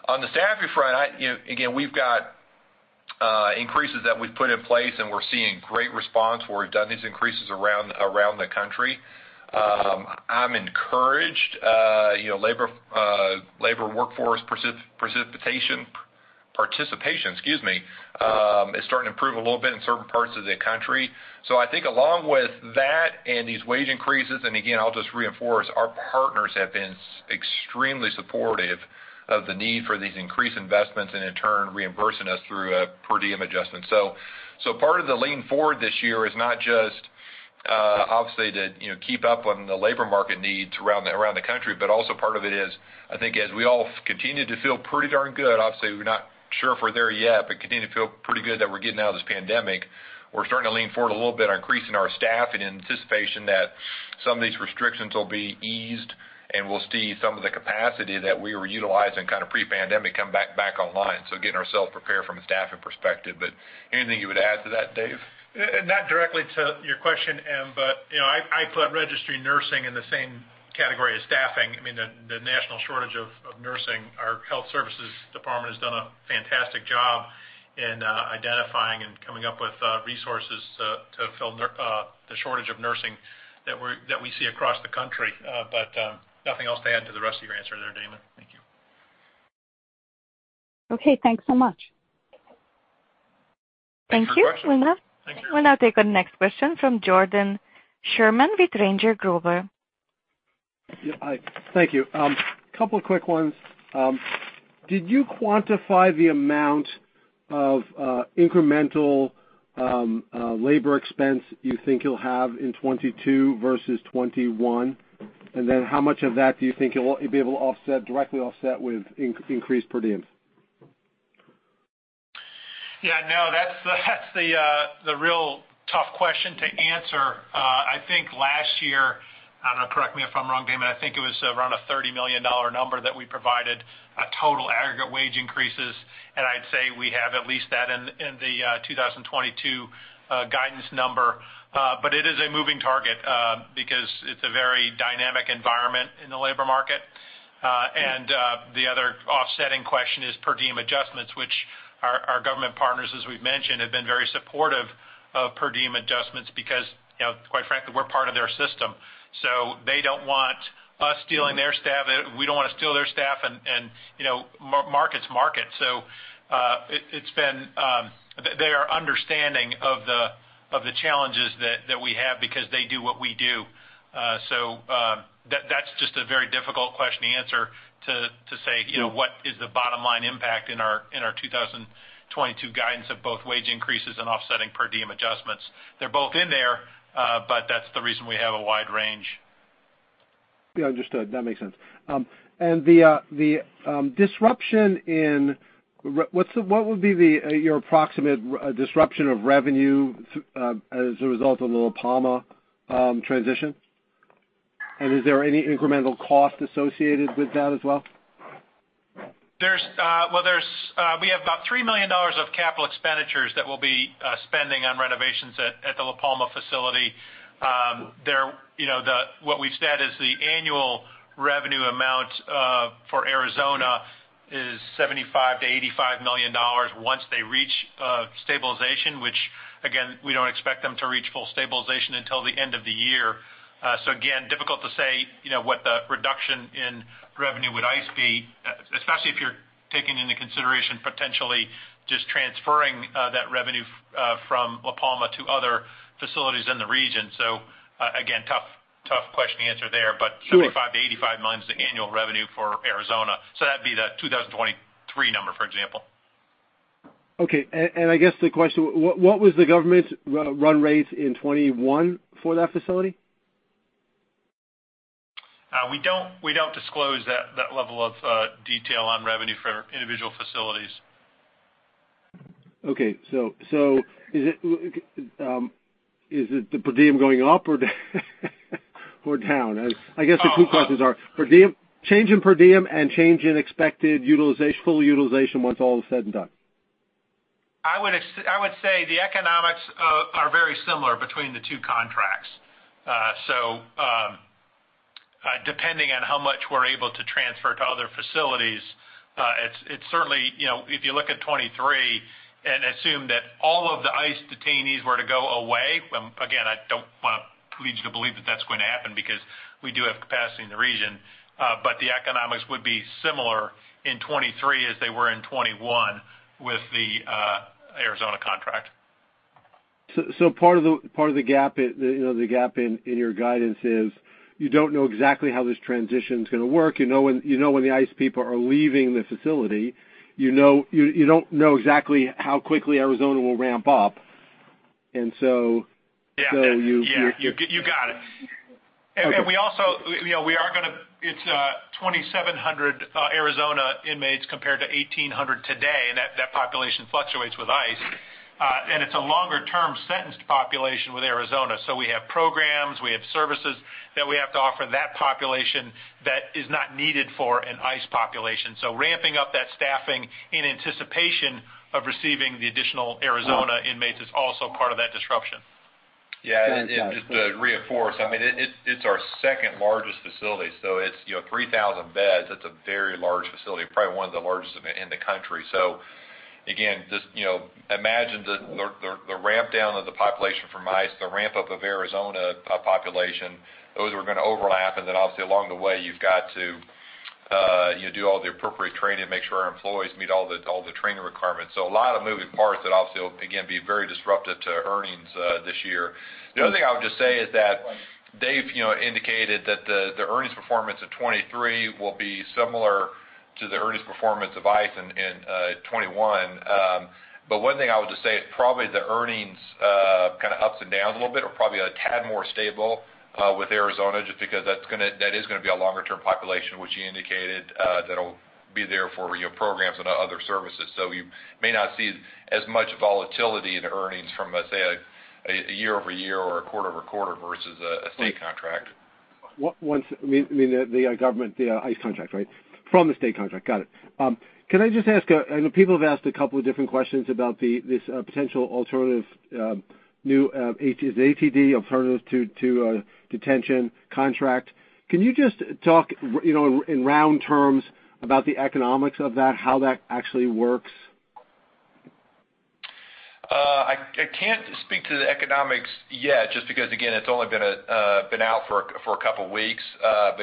On the staffing front, you know, again, we've got increases that we've put in place, and we're seeing great response where we've done these increases around the country. I'm encouraged, you know, labor force participation, excuse me, is starting to improve a little bit in certain parts of the country. I think along with that and these wage increases, and again, I'll just reinforce, our partners have been extremely supportive of the need for these increased investments and in turn reimbursing us through a per diem adjustment. Part of the lean forward this year is not just obviously to, you know, keep up on the labor market needs around the country, but also part of it is, I think as we all continue to feel pretty darn good, obviously, we're not sure if we're there yet, but continue to feel pretty darn good that we're getting out of this pandemic, we're starting to lean forward a little bit on increasing our staff in anticipation that some of these restrictions will be eased, and we'll see some of the capacity that we were utilizing kind of pre-pandemic come back online. Getting ourselves prepared from a staffing perspective. Anything you would add to that, Dave? Not directly to your question, Marla. You know, I put registry nursing in the same category as staffing. I mean, the national shortage of nursing, our health services department has done a fantastic job in identifying and coming up with resources to fill the shortage of nursing that we see across the country. Nothing else to add to the rest of your answer there, Damon. Thank you. Okay, thanks so much. Thanks for your question. Thank you. We'll now Thank you. We'll now take the next question from Jordan Sherman with Ranger Global. Yeah. Thank you. Couple of quick ones. Did you quantify the amount of incremental labor expense you think you'll have in 2022 versus 2021? How much of that do you think you'll be able to offset, directly offset with increased per diems? Yeah, no, that's the real tough question to answer. I think last year, I don't know, correct me if I'm wrong, Damon, I think it was around a $30 million number that we provided, total aggregate wage increases. I'd say we have at least that in the 2022 guidance number. It is a moving target, because it's a very dynamic environment in the labor market. The other offsetting question is per diem adjustments, which our government partners, as we've mentioned, have been very supportive of per diem adjustments because, you know, quite frankly, we're part of their system. They don't want us stealing their staff. We don't wanna steal their staff and, you know, market's the market. They are understanding of the challenges that we have because they do what we do. That's just a very difficult question to answer to say, you know, what is the bottom line impact in our 2022 guidance of both wage increases and offsetting per diem adjustments. They're both in there, but that's the reason we have a wide range. Yeah, understood. That makes sense. What would be your approximate disruption of revenue as a result of the La Palma transition? Is there any incremental cost associated with that as well? Well, we have about $3 million of capital expenditures that we'll be spending on renovations at the La Palma facility. You know, what we've said is the annual revenue amount for Arizona is $75 million-$85 million once they reach stabilization, which again, we don't expect them to reach full stabilization until the end of the year. Again, difficult to say, you know, what the reduction in revenue with ICE be, especially if you're taking into consideration potentially just transferring that revenue from La Palma to other facilities in the region. Again, tough question to answer there. Sure. $75 million-$85 million is the annual revenue for Arizona, so that'd be the 2023 number, for example. Okay. I guess the question, what was the government run rate in 2021 for that facility? We don't disclose that level of detail on revenue for individual facilities. Okay. Is it the per diem going up or down? I guess the two questions are per diem, change in per diem and change in expected utilization, full utilization once all is said and done. I would say the economics are very similar between the two contracts. Depending on how much we're able to transfer to other facilities, it's certainly, you know, if you look at 2023 and assume that all of the ICE detainees were to go away, again, I don't wanna lead you to believe that that's going to happen because we do have capacity in the region. The economics would be similar in 2023 as they were in 2021 with the Arizona contract. Part of the gap in your guidance is you don't know exactly how this transition's gonna work. You know when the ICE people are leaving the facility. You don't know exactly how quickly Arizona will ramp up, and so. Yeah. You Yeah. You got it. Okay. We also, you know, It's 2,700 Arizona inmates compared to 1,800 today, and that population fluctuates with ICE. It's a longer-term sentenced population with Arizona. We have programs, we have services that we have to offer that population that is not needed for an ICE population. Ramping up that staffing in anticipation of receiving the additional Arizona inmates is also part of that disruption. Yeah. Understood. Just to reinforce, I mean, it's our second largest facility, so it's you know 3,000 beds. That's a very large facility, probably one of the largest in the country. Again, just you know imagine the ramp down of the population from ICE, the ramp up of Arizona population, those are gonna overlap. Obviously along the way, you've got to you know do all the appropriate training, make sure our employees meet all the training requirements. A lot of moving parts that obviously will again be very disruptive to earnings this year. The other thing I would just say is that Dave you know indicated that the earnings performance of 2023 will be similar to the earnings performance of ICE in 2021. one thing I would just say is probably the earnings kinda ups and downs a little bit or probably a tad more stable with Arizona just because that is gonna be a longer term population, which you indicated, that'll be there for, you know, programs and other services. You may not see as much volatility in earnings from, let's say, a year-over-year or a quarter-over-quarter versus a state contract. What? You mean the government, the ICE contract, right? From the state contract. Got it. Can I just ask, people have asked a couple of different questions about this potential alternative new ATD alternative to detention contract. Can you just talk, you know, in round terms about the economics of that, how that actually works? I can't speak to the economics yet, just because again, it's only been out for a couple weeks.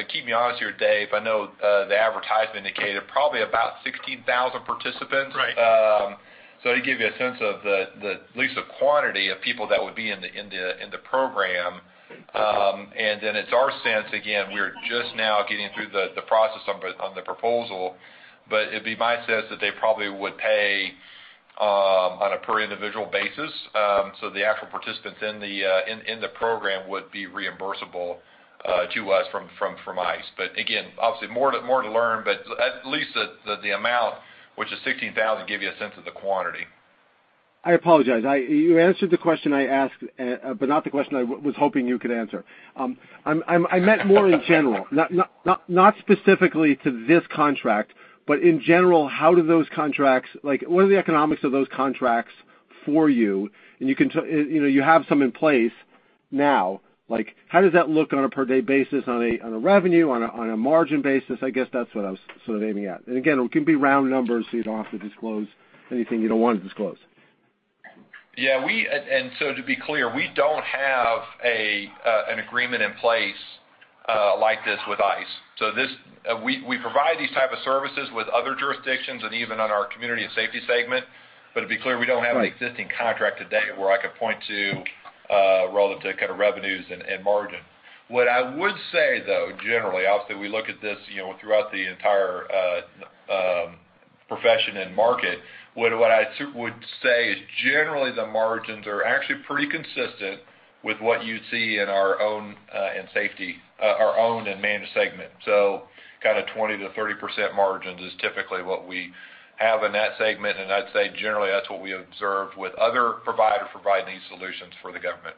Keep me honest here, Dave. I know the advertisement indicated probably about 16,000 participants. Right. To give you a sense of the least quantity of people that would be in the program. It's our sense, again, we're just now getting through the process on the proposal. It'd be my sense that they probably would pay on a per individual basis. The actual participants in the program would be reimbursable to us from ICE. Again, obviously more to learn, but at least the amount, which is 16,000, gives you a sense of the quantity. I apologize. You answered the question I asked, but not the question I was hoping you could answer. I meant more in general. Not specifically to this contract, but in general, how do those contracts? Like, what are the economics of those contracts for you? You can tell, you know, you have some in place now, like, how does that look on a per day basis, on a revenue, on a margin basis? I guess that's what I was sort of aiming at. Again, it can be round numbers, so you don't have to disclose anything you don't wanna disclose. Yeah, to be clear, we don't have an agreement in place like this with ICE. This, we provide these type of services with other jurisdictions and even on our community and safety segment. To be clear, we don't have an existing contract today where I could point to relative to kind of revenues and margin. What I would say, though, generally, obviously, we look at this, you know, throughout the entire profession and market. What I would say is generally the margins are actually pretty consistent with what you'd see in our own in safety our owned and managed segment. Kinda 20%-30% margins is typically what we have in that segment, and I'd say generally, that's what we observed with other provider providing these solutions for the government.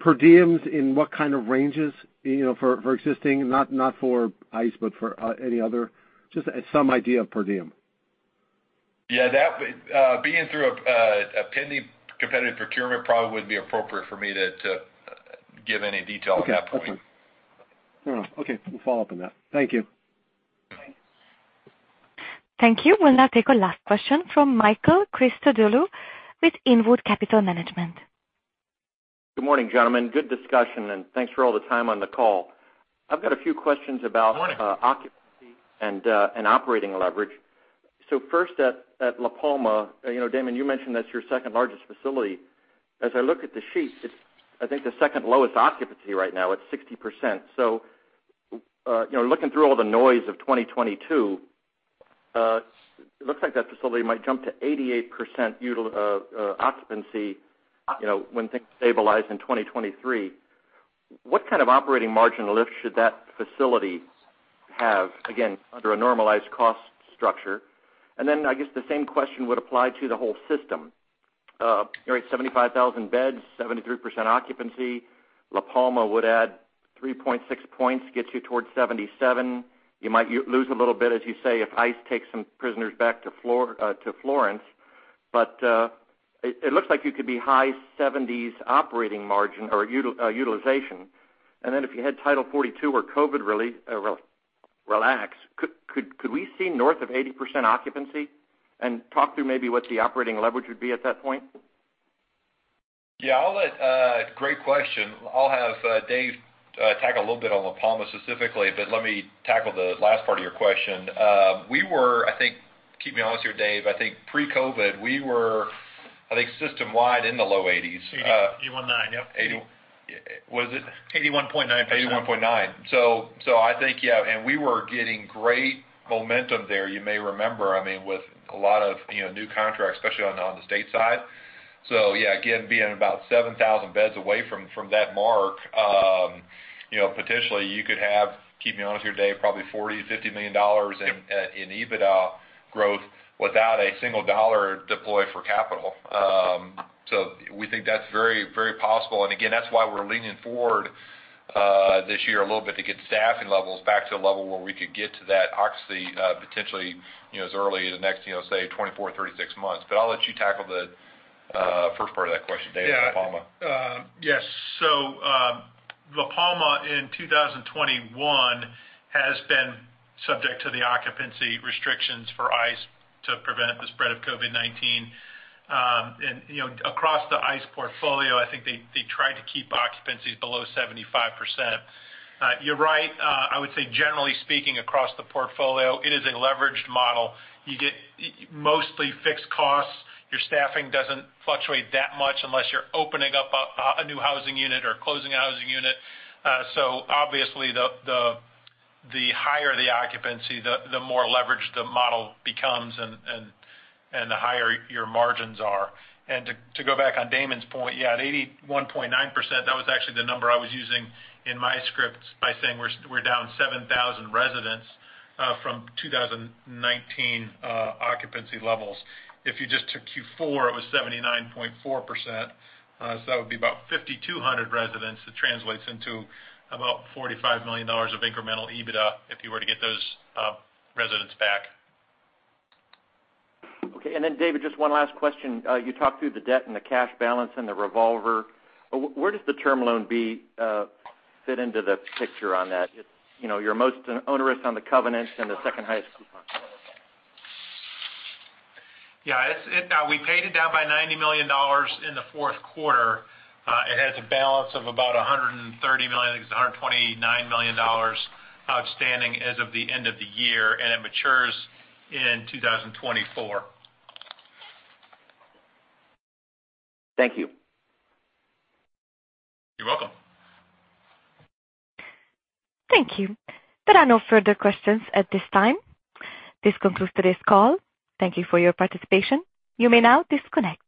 Per diems in what kind of ranges, you know, for existing, not for ICE, but for any other, just some idea of per diem? Yeah, that would, being through a pending competitive procurement probably wouldn't be appropriate for me to give any detail at that point. Okay. Perfect. All right. Okay, we'll follow up on that. Thank you. Thank you. We'll now take our last question from Michael Christodolou with Inwood Capital Management. Good morning, gentlemen. Good discussion, and thanks for all the time on the call. I've got a few questions about. Morning. Occupancy and operating leverage. First at La Palma, you know, Damon, you mentioned that's your second largest facility. As I look at the sheet, it's, I think, the second lowest occupancy right now, it's 60%. You know, looking through all the noise of 2022, it looks like that facility might jump to 88% occupancy, you know, when things stabilize in 2023. What kind of operating margin lift should that facility have, again, under a normalized cost structure? Then I guess the same question would apply to the whole system. You're at 75,000 beds, 73% occupancy. La Palma would add 3.6 points, get you towards 77. You might lose a little bit, as you say, if ICE takes some prisoners back to Florence. It looks like you could be high 70s operating margin or utilization. If you had Title 42 or COVID restrictions relax, could we see north of 80% occupancy? Talk through maybe what the operating leverage would be at that point. Yeah, great question. I'll have Dave tackle a little bit on La Palma specifically, but let me tackle the last part of your question. I think, keep me honest here, Dave. I think pre-COVID, we were system-wide in the low eighties. 80%, 81.9% ,yep. 80%, was it? 81.9%. 81.9%. I think, yeah, and we were getting great momentum there. You may remember, I mean, with a lot of, you know, new contracts, especially on the state side. Yeah, again, being about 7,000 beds away from that mark, you know, potentially you could have, keep me honest here, Dave, probably $40 million-$50 million in EBITDA growth without a single dollar deployed for capital. We think that's very, very possible. Again, that's why we're leaning forward this year a little bit to get staffing levels back to a level where we could get to that occupancy, potentially, you know, as early as the next, you know, say, 24 months-36 months. I'll let you tackle the first part of that question, Dave, on La Palma. Yeah. Yes. La Palma in 2021 has been subject to the occupancy restrictions for ICE to prevent the spread of COVID-19. You know, across the ICE portfolio, I think they tried to keep occupancies below 75%. You're right. I would say generally speaking across the portfolio, it is a leveraged model. You get mostly fixed costs. Your staffing doesn't fluctuate that much unless you're opening up a new housing unit or closing a housing unit. Obviously the higher the occupancy, the more leveraged the model becomes and the higher your margins are. To go back on Damon's point, yeah, at 81.9%, that was actually the number I was using in my script by saying we're down 7,000 residents from 2019 occupancy levels. If you just took Q4, it was 79.4%, so that would be about 5,200 residents. That translates into about $45 million of incremental EBITDA if you were to get those residents back. Okay. David, just one last question. You talked through the debt and the cash balance and the revolver. Where does the Term Loan B fit into the picture on that? It's, you know, your most onerous on the covenant and the second highest coupon. Yeah, it's we paid it down by $90 million in the fourth quarter. It has a balance of about $130 million, I think it's $129 million outstanding as of the end of the year, and it matures in 2024. Thank you. You're welcome. Thank you. There are no further questions at this time. This concludes today's call. Thank you for your participation. You may now disconnect.